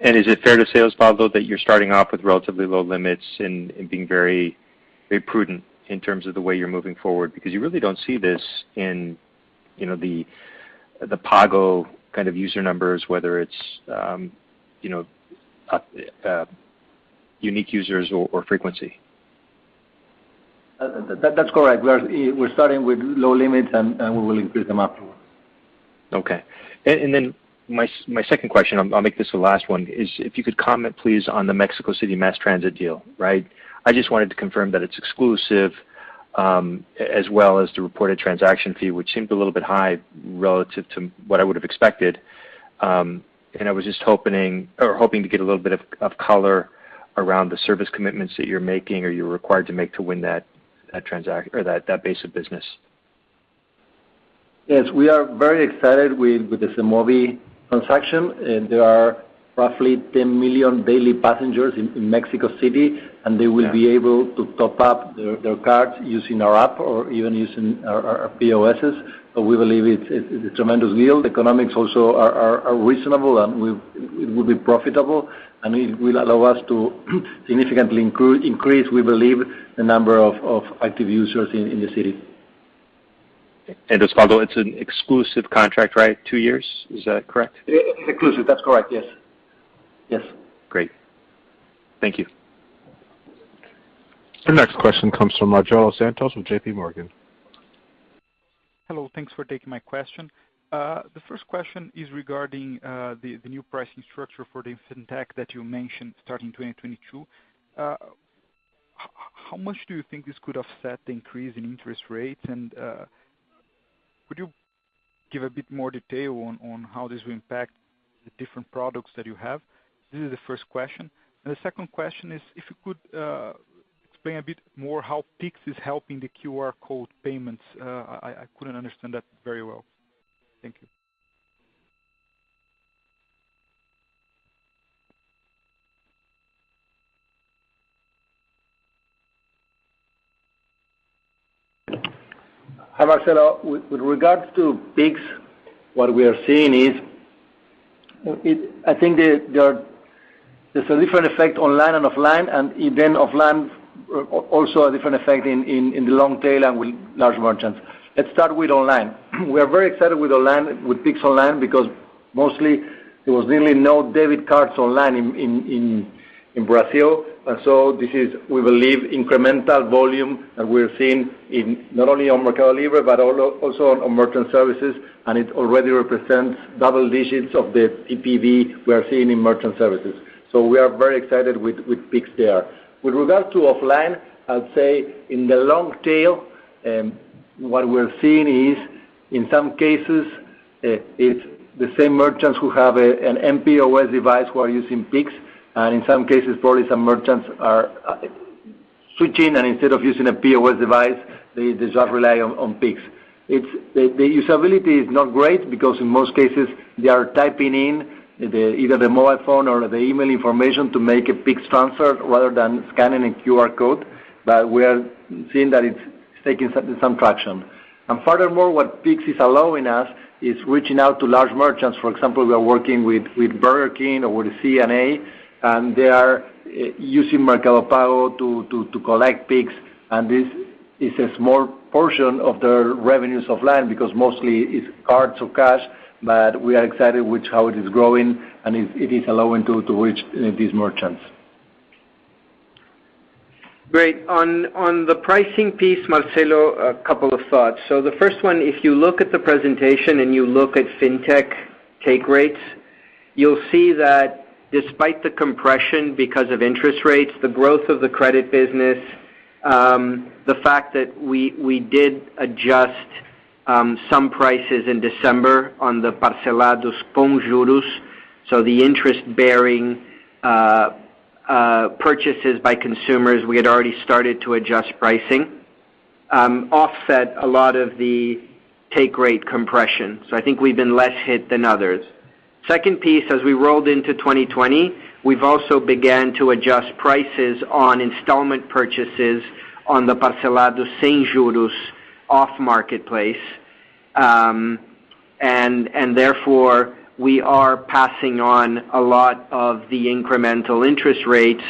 Is it fair to say, Osvaldo, that you're starting off with relatively low limits and being very prudent in terms of the way you're moving forward? Because you really don't see this in the Pago kind of user numbers, whether it's unique users or frequency. That's correct. We're starting with low limits, and we will increase them afterwards. Okay. My second question, I'll make this the last one, is if you could comment please on the Mexico City mass transit deal, right? I just wanted to confirm that it's exclusive, as well as the reported transaction fee, which seemed a little bit high relative to what I would have expected. I was just hoping to get a little bit of color around the service commitments that you're making or you're required to make to win that base of business. Yes, we are very excited with the SEMOVI transaction, and there are roughly 10 million daily passengers in Mexico City, and they will be able to top up their cards using our app or even using our POS. We believe it's a tremendous deal. The economics also are reasonable and it will be profitable, and it will allow us to significantly increase, we believe, the number of active users in the city. Osvaldo, it's an exclusive contract, right? Two years, is that correct? Exclusive, that's correct, yes. Yes. Great. Thank you. Our next question comes from Marcelo Santos with JPMorgan. Hello. Thanks for taking my question. The first question is regarding the new pricing structure for the Fintech that you mentioned starting 2022. How much do you think this could offset the increase in interest rates? Could you give a bit more detail on how this will impact the different products that you have? This is the first question. The second question is if you could explain a bit more how Pix is helping the QR code payments. I couldn't understand that very well. Thank you. Hi, Marcelo. With regards to Pix, what we are seeing is that. I think there is a different effect online and offline, and even offline also a different effect in the long tail and with large merchants. Let's start with online. We are very excited with online, with Pix online because mostly there was really no debit cards online in Brazil. This is, we believe, incremental volume that we're seeing not only on MercadoLibre but also on our merchant services, and it already represents double digits of the TPV we are seeing in merchant services. We are very excited with Pix there. With regard to offline, I would say in the long tail, what we're seeing is in some cases it's the same merchants who have an MPOS device who are using Pix, and in some cases probably some merchants are switching and instead of using a POS device, they just rely on Pix. The usability is not great because in most cases they are typing in either the mobile phone or the email information to make a Pix transfer rather than scanning a QR code. But we are seeing that it's taking some traction. Furthermore, what Pix is allowing us is reaching out to large merchants. For example, we are working with Burger King or with CNA, and they are using Mercado Pago to collect Pix, and this is a small portion of their revenues offline because mostly it's cards or cash. We are excited with how it is growing, and it is allowing to reach these merchants. Great. On the pricing piece, Marcelo, a couple of thoughts. The first one, if you look at the presentation and you look at Fintech take rates, you'll see that despite the compression because of interest rates, the growth of the credit business, the fact that we did adjust some prices in December on the parcelado com juros, so the interest-bearing purchases by consumers, we had already started to adjust pricing, offset a lot of the take rate compression. I think we've been less hit than others. Second piece, as we rolled into 2020, we've also began to adjust prices on installment purchases on the parcelado sem juros off marketplace. Therefore, we are passing on a lot of the incremental interest rates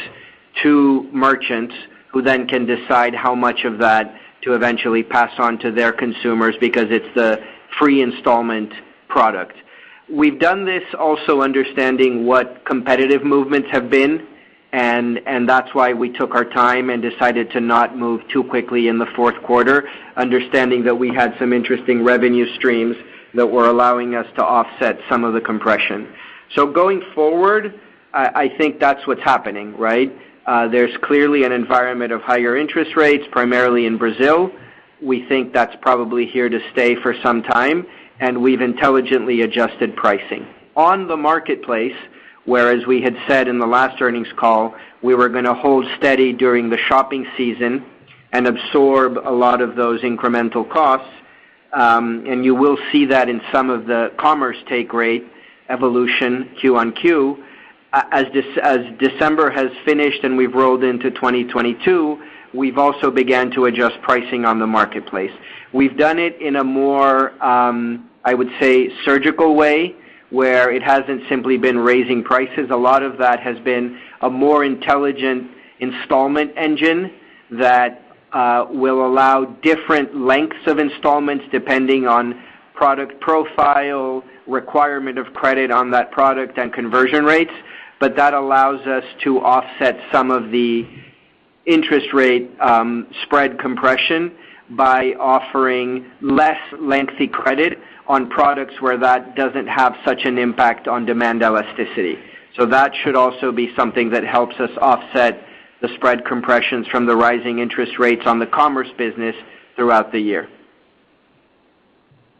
to merchants who then can decide how much of that to eventually pass on to their consumers because it's the free installment product. We've done this also understanding what competitive movements have been and that's why we took our time and decided to not move too quickly in the fourth quarter, understanding that we had some interesting revenue streams that were allowing us to offset some of the compression. Going forward, I think that's what's happening, right? There's clearly an environment of higher interest rates, primarily in Brazil. We think that's probably here to stay for some time, and we've intelligently adjusted pricing. On the marketplace, whereas we had said in the last earnings call we were gonna hold steady during the shopping season and absorb a lot of those incremental costs, and you will see that in some of the commerce take rate evolution Q-on-Q, as December has finished and we've rolled into 2022, we've also began to adjust pricing on the marketplace. We've done it in a more, I would say, surgical way, where it hasn't simply been raising prices. A lot of that has been a more intelligent installment engine that will allow different lengths of installments depending on product profile, requirement of credit on that product, and conversion rates. That allows us to offset some of the interest rate spread compression by offering less lengthy credit on products where that doesn't have such an impact on demand elasticity. That should also be something that helps us offset the spread compressions from the rising interest rates on the commerce business throughout the year.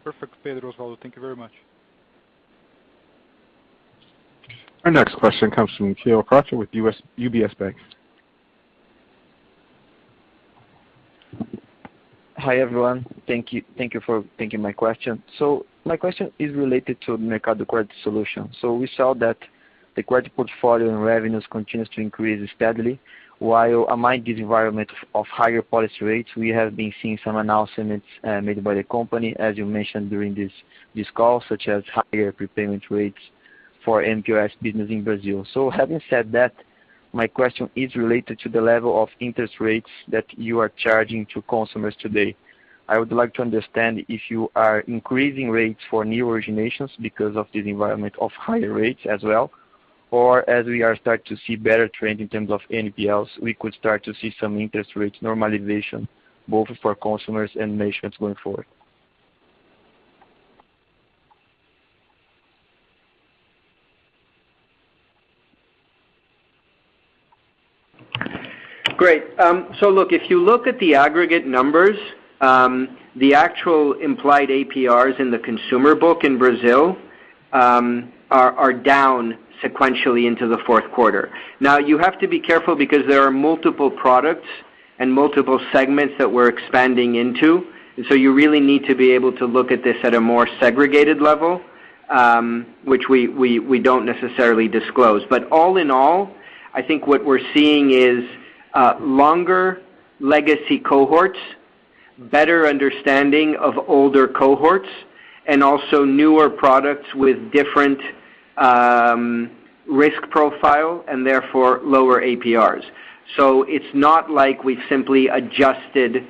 Perfect. Pedro, thank you very much. Our next question comes from Kaio Prato with UBS. Hi, everyone. Thank you for taking my question. My question is related to Mercado Crédito solution. We saw that the credit portfolio and revenues continues to increase steadily while amid this environment of higher policy rates, we have been seeing some announcements made by the company, as you mentioned during this call, such as higher prepayment rates for MPOS business in Brazil. Having said that, my question is related to the level of interest rates that you are charging to consumers today. I would like to understand if you are increasing rates for new originations because of this environment of higher rates as well. As we are starting to see better trends in terms of NPLs, we could start to see some interest rates normalization both for consumers and merchants going forward. Great. Look, if you look at the aggregate numbers, the actual implied APRs in the consumer book in Brazil are down sequentially into the fourth quarter. Now, you have to be careful because there are multiple products and multiple segments that we're expanding into. You really need to be able to look at this at a more segregated level, which we don't necessarily disclose. All in all, I think what we're seeing is longer legacy cohorts, better understanding of older cohorts, and also newer products with different risk profile, and therefore lower APRs. It's not like we've simply adjusted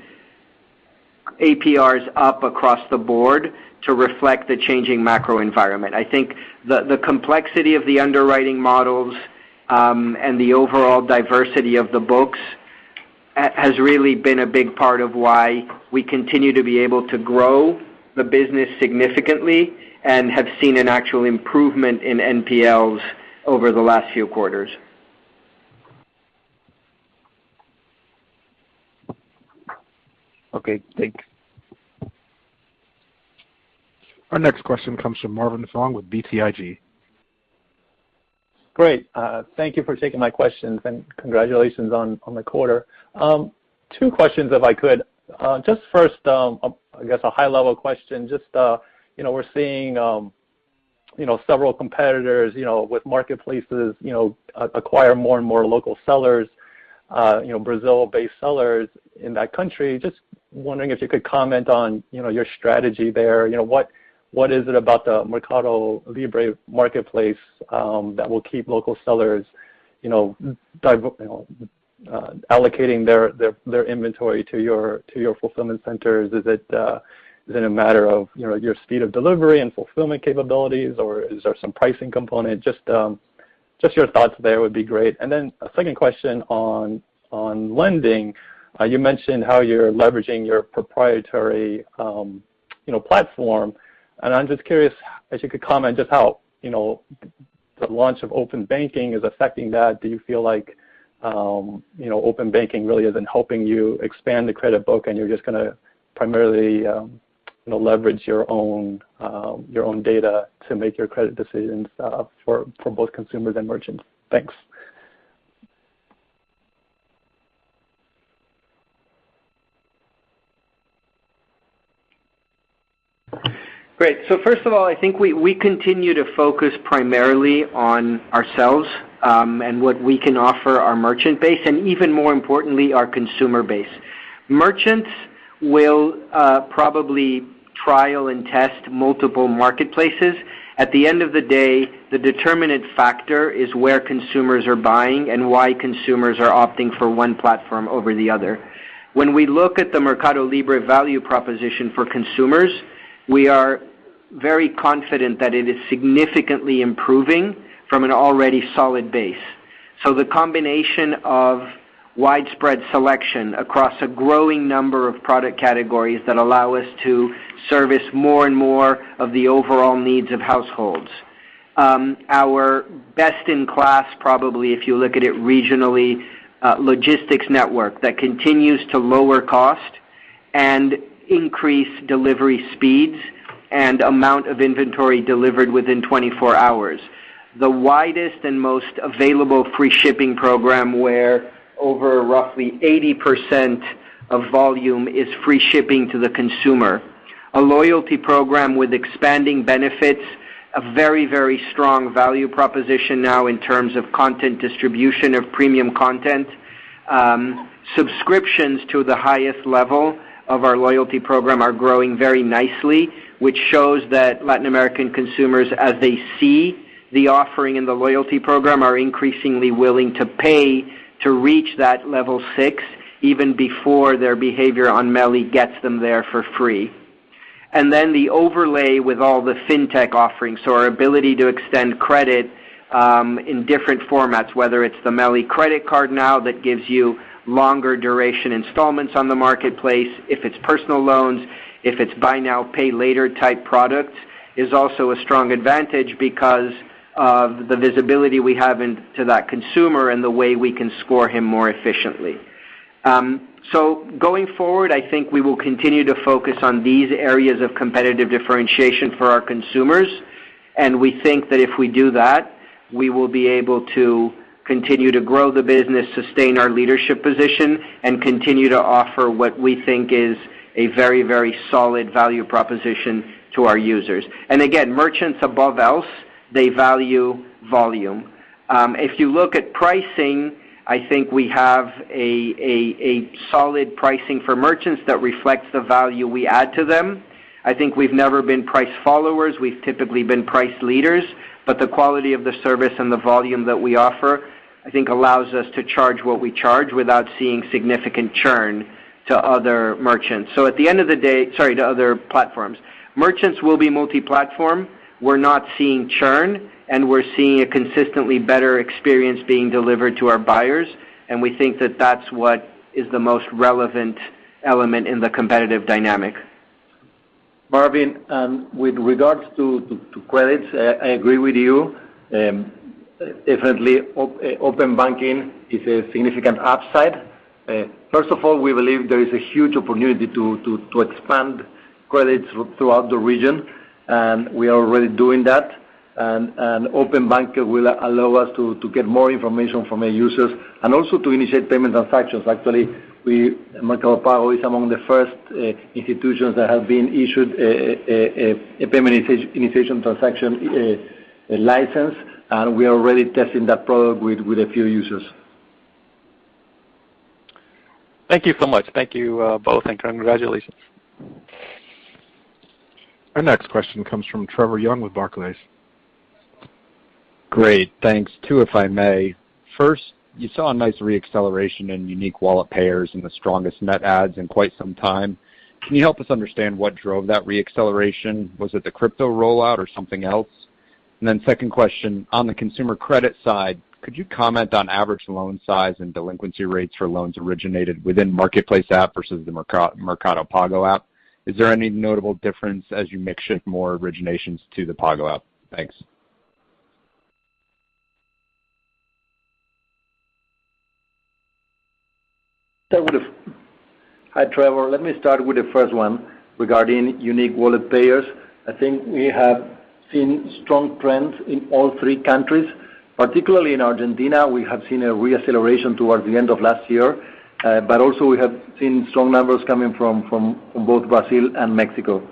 APRs up across the board to reflect the changing macro environment. I think the complexity of the underwriting models and the overall diversity of the books has really been a big part of why we continue to be able to grow the business significantly and have seen an actual improvement in NPLs over the last few quarters. Okay, thanks. Our next question comes from Marvin Fong with BTIG. Great. Thank you for taking my questions, and congratulations on the quarter. Two questions, if I could. Just first, I guess a high-level question. Just, you know, we're seeing, you know, several competitors, you know, with marketplaces, you know, acquire more and more local sellers, you know, Brazil-based sellers in that country. Just wondering if you could comment on, you know, your strategy there. You know, what is it about the MercadoLibre marketplace, that will keep local sellers, you know, allocating their inventory to your fulfillment centers? Is it, is it a matter of, you know, your speed of delivery and fulfillment capabilities, or is there some pricing component? Just your thoughts there would be great. A second question on lending. You mentioned how you're leveraging your proprietary, you know, platform. I'm just curious if you could comment just how, you know, the launch of open banking is affecting that. Do you feel like, you know, open banking really isn't helping you expand the credit book, and you're just gonna primarily, you know, leverage your own, your own data to make your credit decisions, for both consumers and merchants? Thanks. Great. First of all, I think we continue to focus primarily on ourselves and what we can offer our merchant base, and even more importantly, our consumer base. Merchants will probably trial and test multiple marketplaces. At the end of the day, the determining factor is where consumers are buying and why consumers are opting for one platform over the other. When we look at the MercadoLibre value proposition for consumers, we are very confident that it is significantly improving from an already solid base. The combination of widespread selection across a growing number of product categories that allow us to service more and more of the overall needs of households, our best-in-class, probably if you look at it regionally, logistics network that continues to lower cost and increase delivery speeds and amount of inventory delivered within 24 hours. The widest and most available free shipping program where over roughly 80% of volume is free shipping to the consumer. A loyalty program with expanding benefits. A very, very strong value proposition now in terms of content distribution of premium content. Subscriptions to the highest level of our loyalty program are growing very nicely, which shows that Latin American consumers, as they see the offering in the loyalty program, are increasingly willing to pay to reach that level six even before their behavior on MELI gets them there for free. The overlay with all the fintech offerings. Our ability to extend credit in different formats, whether it's the MELI credit card now that gives you longer duration installments on the marketplace. If it's personal loans, if it's buy now, pay later type products, is also a strong advantage because of the visibility we have into that consumer and the way we can score him more efficiently. Going forward, I think we will continue to focus on these areas of competitive differentiation for our consumers, and we think that if we do that, we will be able to continue to grow the business, sustain our leadership position, and continue to offer what we think is a very, very solid value proposition to our users. Again, merchants above all else, they value volume. If you look at pricing, I think we have a solid pricing for merchants that reflects the value we add to them. I think we've never been price followers. We've typically been price leaders. The quality of the service and the volume that we offer. I think allows us to charge what we charge without seeing significant churn to other platforms. Merchants will be multi-platform. We're not seeing churn, and we're seeing a consistently better experience being delivered to our buyers, and we think that that's what is the most relevant element in the competitive dynamic. Marvin, with regards to credits, I agree with you. Definitely open banking is a significant upside. First of all, we believe there is a huge opportunity to expand credits throughout the region, and we are already doing that. Open banking will allow us to get more information from our users and also to initiate payment transactions. Actually, Mercado Pago is among the first institutions that have been issued a payment initiation transaction license, and we are already testing that product with a few users. Thank you so much. Thank you, both, and congratulations. Our next question comes from Trevor Young with Barclays. Great. Thanks. Two, if I may. First, you saw a nice re-acceleration in unique wallet payers and the strongest net adds in quite some time. Can you help us understand what drove that re-acceleration? Was it the crypto rollout or something else? Second question, on the consumer credit side, could you comment on average loan size and delinquency rates for loans originated within Marketplace app versus the Mercado Pago app? Is there any notable difference as you shift more originations to the Pago app? Thanks. Hi, Trevor. Let me start with the first one regarding unique wallet payers. I think we have seen strong trends in all three countries. Particularly in Argentina, we have seen a re-acceleration towards the end of last year. But also we have seen strong numbers coming from both Brazil and Mexico.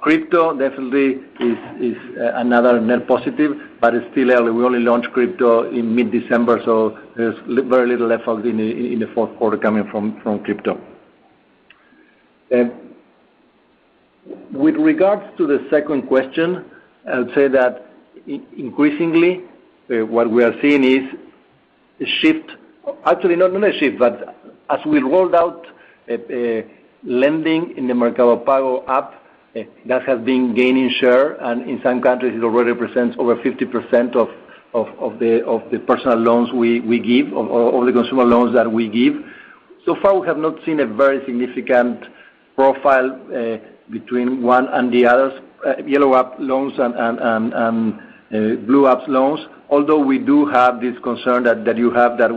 Crypto definitely is another net positive, but it's still early. We only launched crypto in mid-December, so there's very little effect in the fourth quarter coming from crypto. With regards to the second question, I would say that increasingly, what we are seeing is a shift. Actually, not only a shift, but as we rolled out lending in the Mercado Pago app, that has been gaining share, and in some countries it already represents over 50% of the personal loans we give or the consumer loans that we give. So far, we have not seen a very significant profile between one and the others, yellow app loans and blue app loans. Although we do have this concern that you have that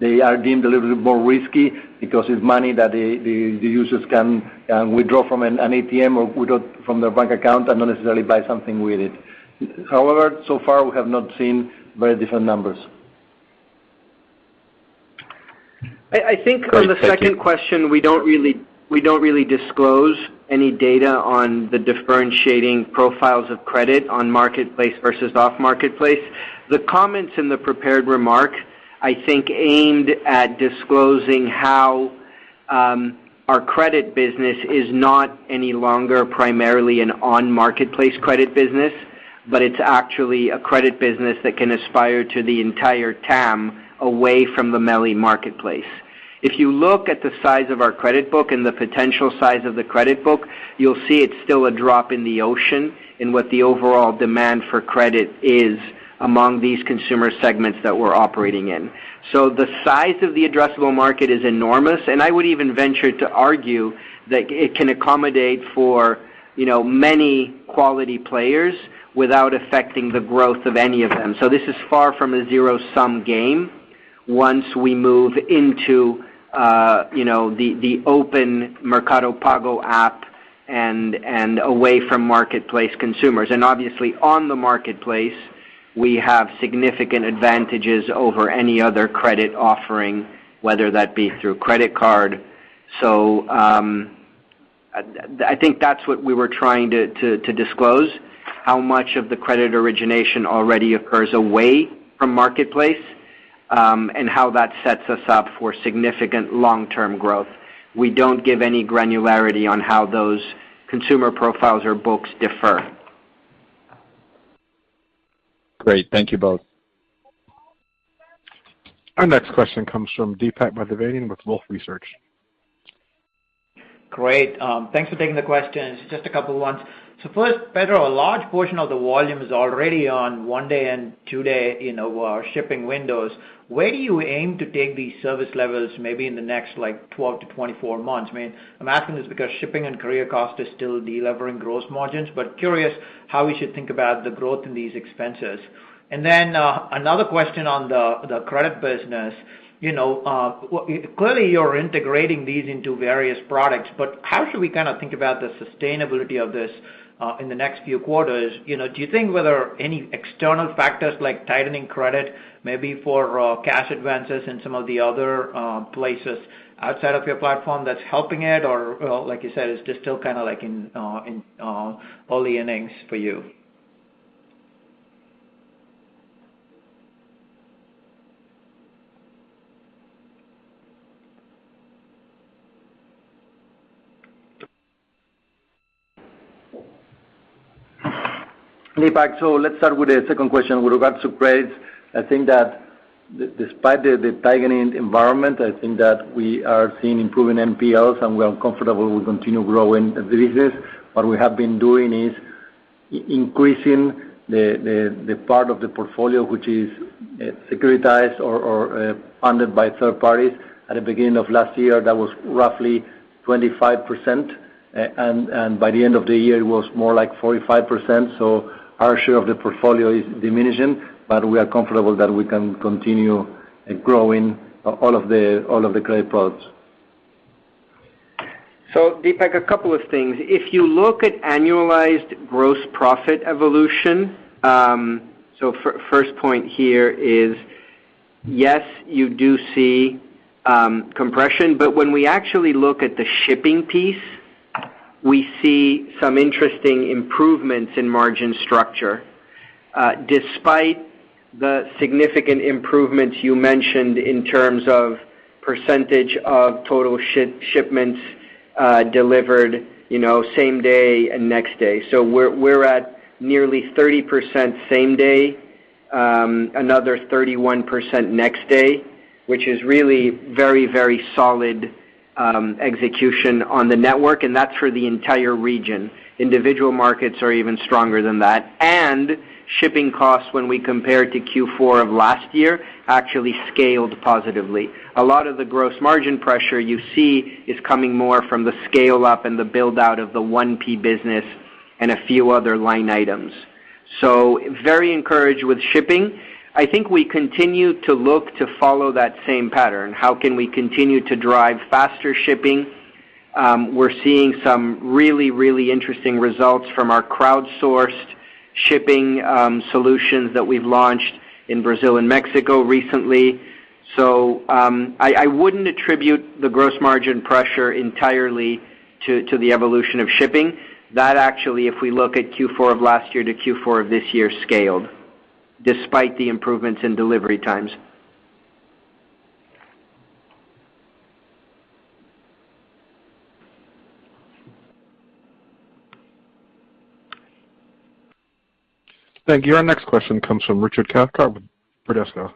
they are deemed a little bit more risky because it's money that the users can withdraw from an ATM or withdraw from their bank account and not necessarily buy something with it. However, so far we have not seen very different numbers. I think on the second question, we don't really disclose any data on the differentiating profiles of credit on Marketplace versus off Marketplace. The comments in the prepared remark, I think, aimed at disclosing how our credit business is not any longer primarily an on-Marketplace credit business, but it's actually a credit business that can aspire to the entire TAM away from the MELI Marketplace. If you look at the size of our credit book and the potential size of the credit book, you'll see it's still a drop in the ocean in what the overall demand for credit is among these consumer segments that we're operating in. The size of the addressable market is enormous, and I would even venture to argue that it can accommodate for, you know, many quality players without affecting the growth of any of them. This is far from a zero-sum game once we move into, you know, the open Mercado Pago app and away from Marketplace consumers. Obviously on the Marketplace, we have significant advantages over any other credit offering, whether that be through credit card. I think that's what we were trying to to disclose, how much of the credit origination already occurs away from Marketplace, and how that sets us up for significant long-term growth. We don't give any granularity on how those consumer profiles or books differ. Great. Thank you both. Our next question comes from Deepak Mathivanan with Wolfe Research. Great. Thanks for taking the questions. Just a couple ones. First, Pedro, a large portion of the volume is already on 1-day and 2-day, you know, shipping windows. Where do you aim to take these service levels maybe in the next, like, 12-24 months? I mean, I'm asking this because shipping and courier cost is still delivering gross margins, but curious how we should think about the growth in these expenses. Another question on the credit business. You know, clearly you're integrating these into various products, but how should we kind of think about the sustainability of this, in the next few quarters? You know, do you think whether any external factors like tightening credit, maybe for cash advances in some of the other places outside of your platform that's helping it, or, well, like you said, it's just still kinda like in early innings for you? Deepak, let's start with the second question. With regards to credits, I think that despite the tightening environment, I think that we are seeing improving NPLs, and we are comfortable we'll continue growing the business. What we have been doing is increasing the part of the portfolio which is securitized or funded by third parties. At the beginning of last year, that was roughly 25%. By the end of the year, it was more like 45%. Our share of the portfolio is diminishing, but we are comfortable that we can continue growing all of the credit products. Deepak, a couple of things. If you look at annualized gross profit evolution, first point here is, yes, you do see compression. When we actually look at the shipping piece, we see some interesting improvements in margin structure, despite the significant improvements you mentioned in terms of percentage of total shipments delivered, you know, same day and next day. We're at nearly 30% same day, another 31% next day, which is really very solid execution on the network, and that's for the entire region. Individual markets are even stronger than that. Shipping costs, when we compare to Q4 of last year, actually scaled positively. A lot of the gross margin pressure you see is coming more from the scale up and the build out of the 1P business and a few other line items. Very encouraged with shipping. I think we continue to look to follow that same pattern. How can we continue to drive faster shipping? We're seeing some really, really interesting results from our crowdsourced shipping solutions that we've launched in Brazil and Mexico recently. I wouldn't attribute the gross margin pressure entirely to the evolution of shipping. That actually, if we look at Q4 of last year to Q4 of this year, scaled despite the improvements in delivery times. Thank you. Our next question comes from Richard Cathcart with Bradesco.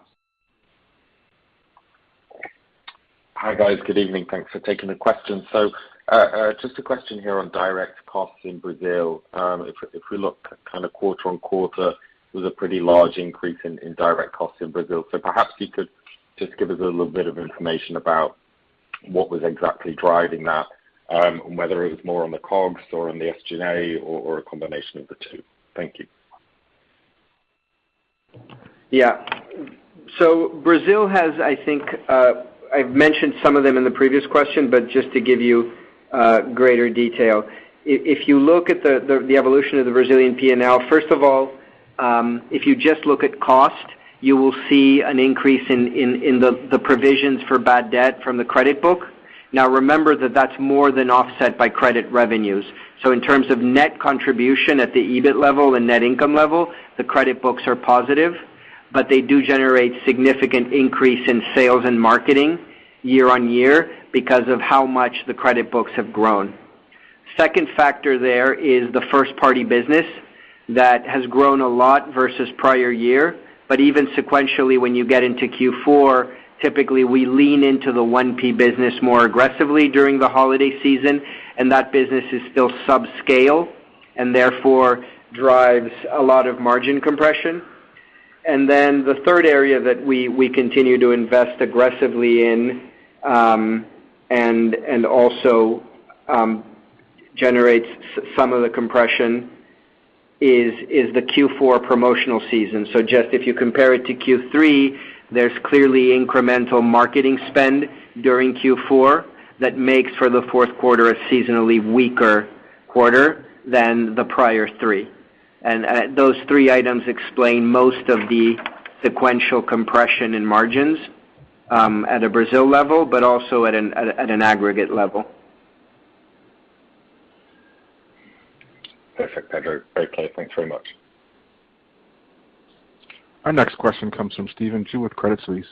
Hi, guys. Good evening. Thanks for taking the question. Just a question here on direct costs in Brazil. If we look kind of quarter-on-quarter, it was a pretty large increase in direct costs in Brazil. Perhaps you could just give us a little bit of information about what was exactly driving that, and whether it was more on the COGS or on the SG&A or a combination of the two. Thank you. Yeah. Brazil has, I think, I've mentioned some of them in the previous question, but just to give you greater detail. If you look at the evolution of the Brazilian P&L, first of all, if you just look at cost, you will see an increase in the provisions for bad debt from the credit book. Now remember that that's more than offset by credit revenues. In terms of net contribution at the EBIT level and net income level, the credit books are positive, but they do generate significant increase in sales and marketing year on year because of how much the credit books have grown. Second factor there is the first party business that has grown a lot versus prior year. Even sequentially, when you get into Q4, typically we lean into the 1P business more aggressively during the holiday season, and that business is still subscale and therefore drives a lot of margin compression. Then the third area that we continue to invest aggressively in, and also generates some of the compression is the Q4 promotional season. Just if you compare it to Q3, there's clearly incremental marketing spend during Q4 that makes for the fourth quarter a seasonally weaker quarter than the prior three. Those three items explain most of the sequential compression in margins at a Brazil level, but also at an aggregate level. Perfect, Pedro. Great clarity. Thanks very much. Our next question comes from Stephen Ju with Credit Suisse.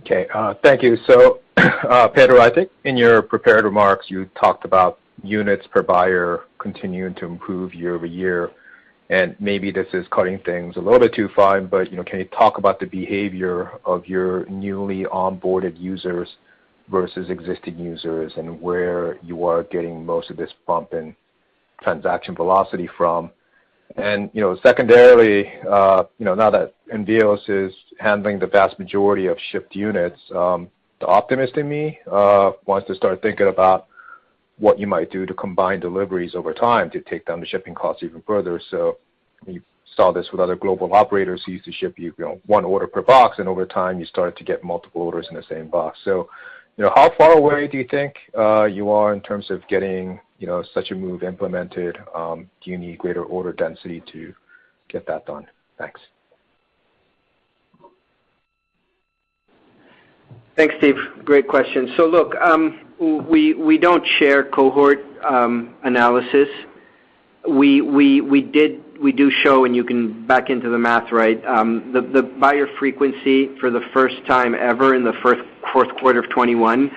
Okay. Thank you. Pedro, I think in your prepared remarks, you talked about units per buyer continuing to improve year-over-year. Maybe this is cutting things a little bit too fine, but, you know, can you talk about the behavior of your newly onboarded users versus existing users and where you are getting most of this bump in transaction velocity from? You know, secondarily, now that Envíos is handling the vast majority of shipped units, the optimist in me wants to start thinking about what you might do to combine deliveries over time to take down the shipping costs even further. We saw this with other global operators who used to ship you know, one order per box, and over time, you started to get multiple orders in the same box. You know, how far away do you think you are in terms of getting, you know, such a move implemented? Do you need greater order density to get that done? Thanks. Thanks, Stephen. Great question. Look, we don't share cohort analysis. We do show, and you can back into the math, right? The buyer frequency for the first time ever in the fourth quarter of 2021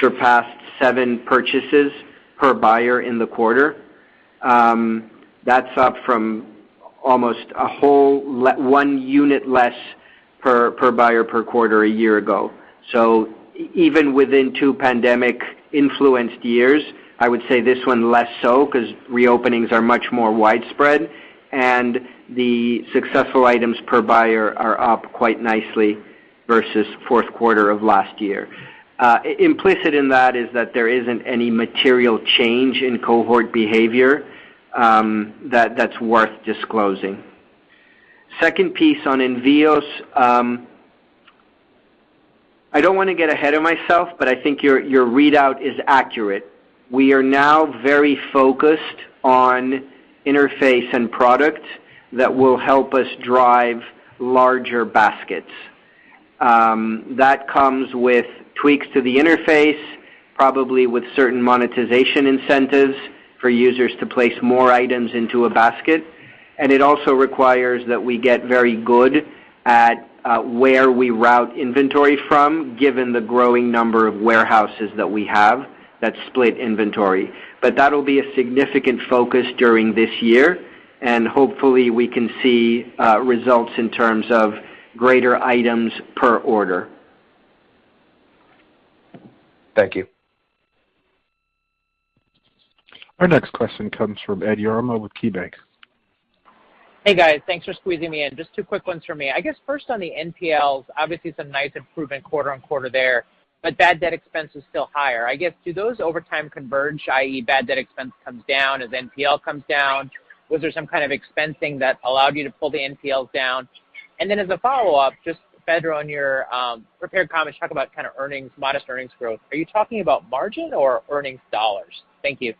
surpassed seven purchases per buyer in the quarter. That's up from one unit less per buyer per quarter a year ago. Even within two pandemic influenced years, I would say this one less so because reopenings are much more widespread and the successful items per buyer are up quite nicely versus fourth quarter of last year. Implicit in that is that there isn't any material change in cohort behavior, that that's worth disclosing. Second piece on Envíos. I don't wanna get ahead of myself, but I think your readout is accurate. We are now very focused on interface and product that will help us drive larger baskets. That comes with tweaks to the interface, probably with certain monetization incentives for users to place more items into a basket. It also requires that we get very good at where we route inventory from, given the growing number of warehouses that we have that split inventory. That'll be a significant focus during this year, and hopefully we can see results in terms of greater items per order. Thank you. Our next question comes from Edward Yruma with KeyBanc. Hey, guys. Thanks for squeezing me in. Just two quick ones for me. I guess first on the NPLs. Obviously some nice improvement quarter-over-quarter there, but bad debt expense is still higher. I guess, do those over time converge, i.e., bad debt expense comes down as NPL comes down? Was there some kind of expensing that allowed you to pull the NPLs down? And then as a follow-up, just Pedro, on your prepared comments, you talk about kind of earnings, modest earnings growth. Are you talking about margin or earnings dollars? Thank you.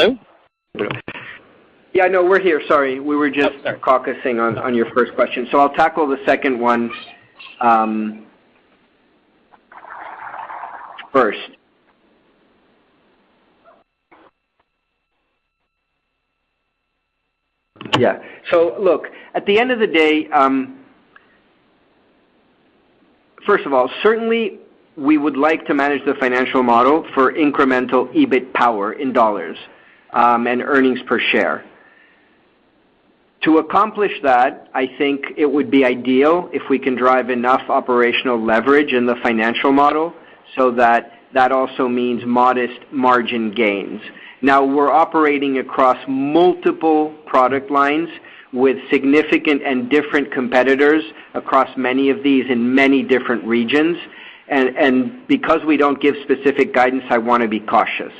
Hello? Yeah, no, we're here. Sorry. Oh, sorry. I'll tackle the second one first. Look, at the end of the day, first of all, certainly we would like to manage the financial model for incremental EBIT power in dollars, and earnings per share. To accomplish that, I think it would be ideal if we can drive enough operational leverage in the financial model so that that also means modest margin gains. Now, we're operating across multiple product lines with significant and different competitors across many of these in many different regions. Because we don't give specific guidance, I wanna be cautious.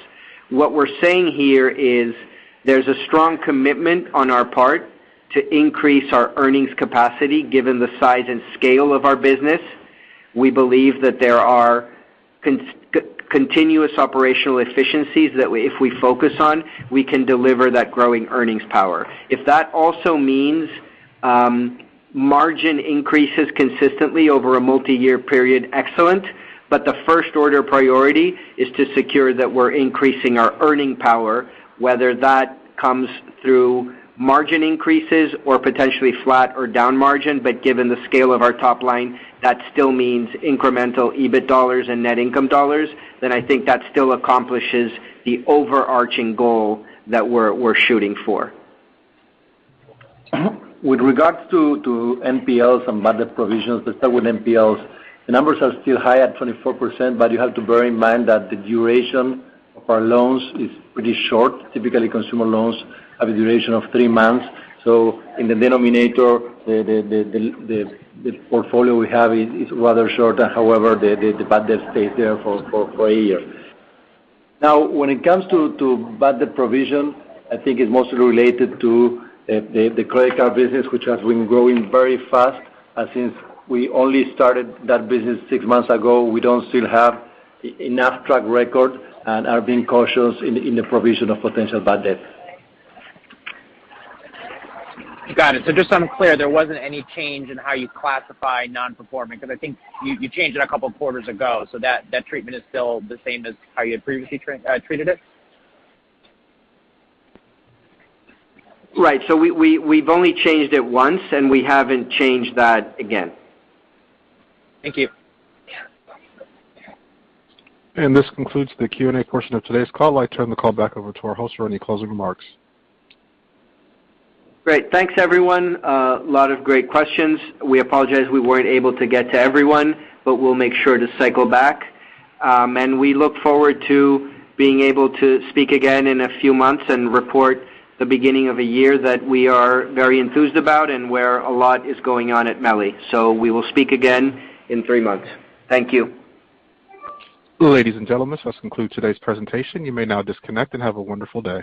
What we're saying here is there's a strong commitment on our part to increase our earnings capacity given the size and scale of our business. We believe that there are continuous operational efficiencies that if we focus on, we can deliver that growing earnings power. If that also means margin increases consistently over a multiyear period, excellent. The first order priority is to secure that we're increasing our earning power, whether that comes through margin increases or potentially flat or down margin, but given the scale of our top line, that still means incremental EBIT dollars and net income dollars, then I think that still accomplishes the overarching goal that we're shooting for. With regard to NPLs and bad debt provisions, let's start with NPLs. The numbers are still high at 24%, but you have to bear in mind that the duration of our loans is pretty short. Typically, consumer loans have a duration of three months. In the denominator, the portfolio we have is rather short. However, the bad debt stays there for a year. Now, when it comes to bad debt provision, I think it's mostly related to the credit card business, which has been growing very fast. Since we only started that business six months ago, we don't still have enough track record and are being cautious in the provision of potential bad debt. Got it. Just so I'm clear, there wasn't any change in how you classify non-performing because I think you changed it a couple of quarters ago, so that treatment is still the same as how you had previously treated it? Right. We've only changed it once, and we haven't changed that again. Thank you. This concludes the Q&A portion of today's call. I turn the call back over to our host for any closing remarks. Great. Thanks, everyone. Lot of great questions. We apologize we weren't able to get to everyone, but we'll make sure to cycle back. We look forward to being able to speak again in a few months and report the beginning of a year that we are very enthused about and where a lot is going on at MELI. We will speak again in three months. Thank you. Ladies and gentlemen, this concludes today's presentation. You may now disconnect and have a wonderful day.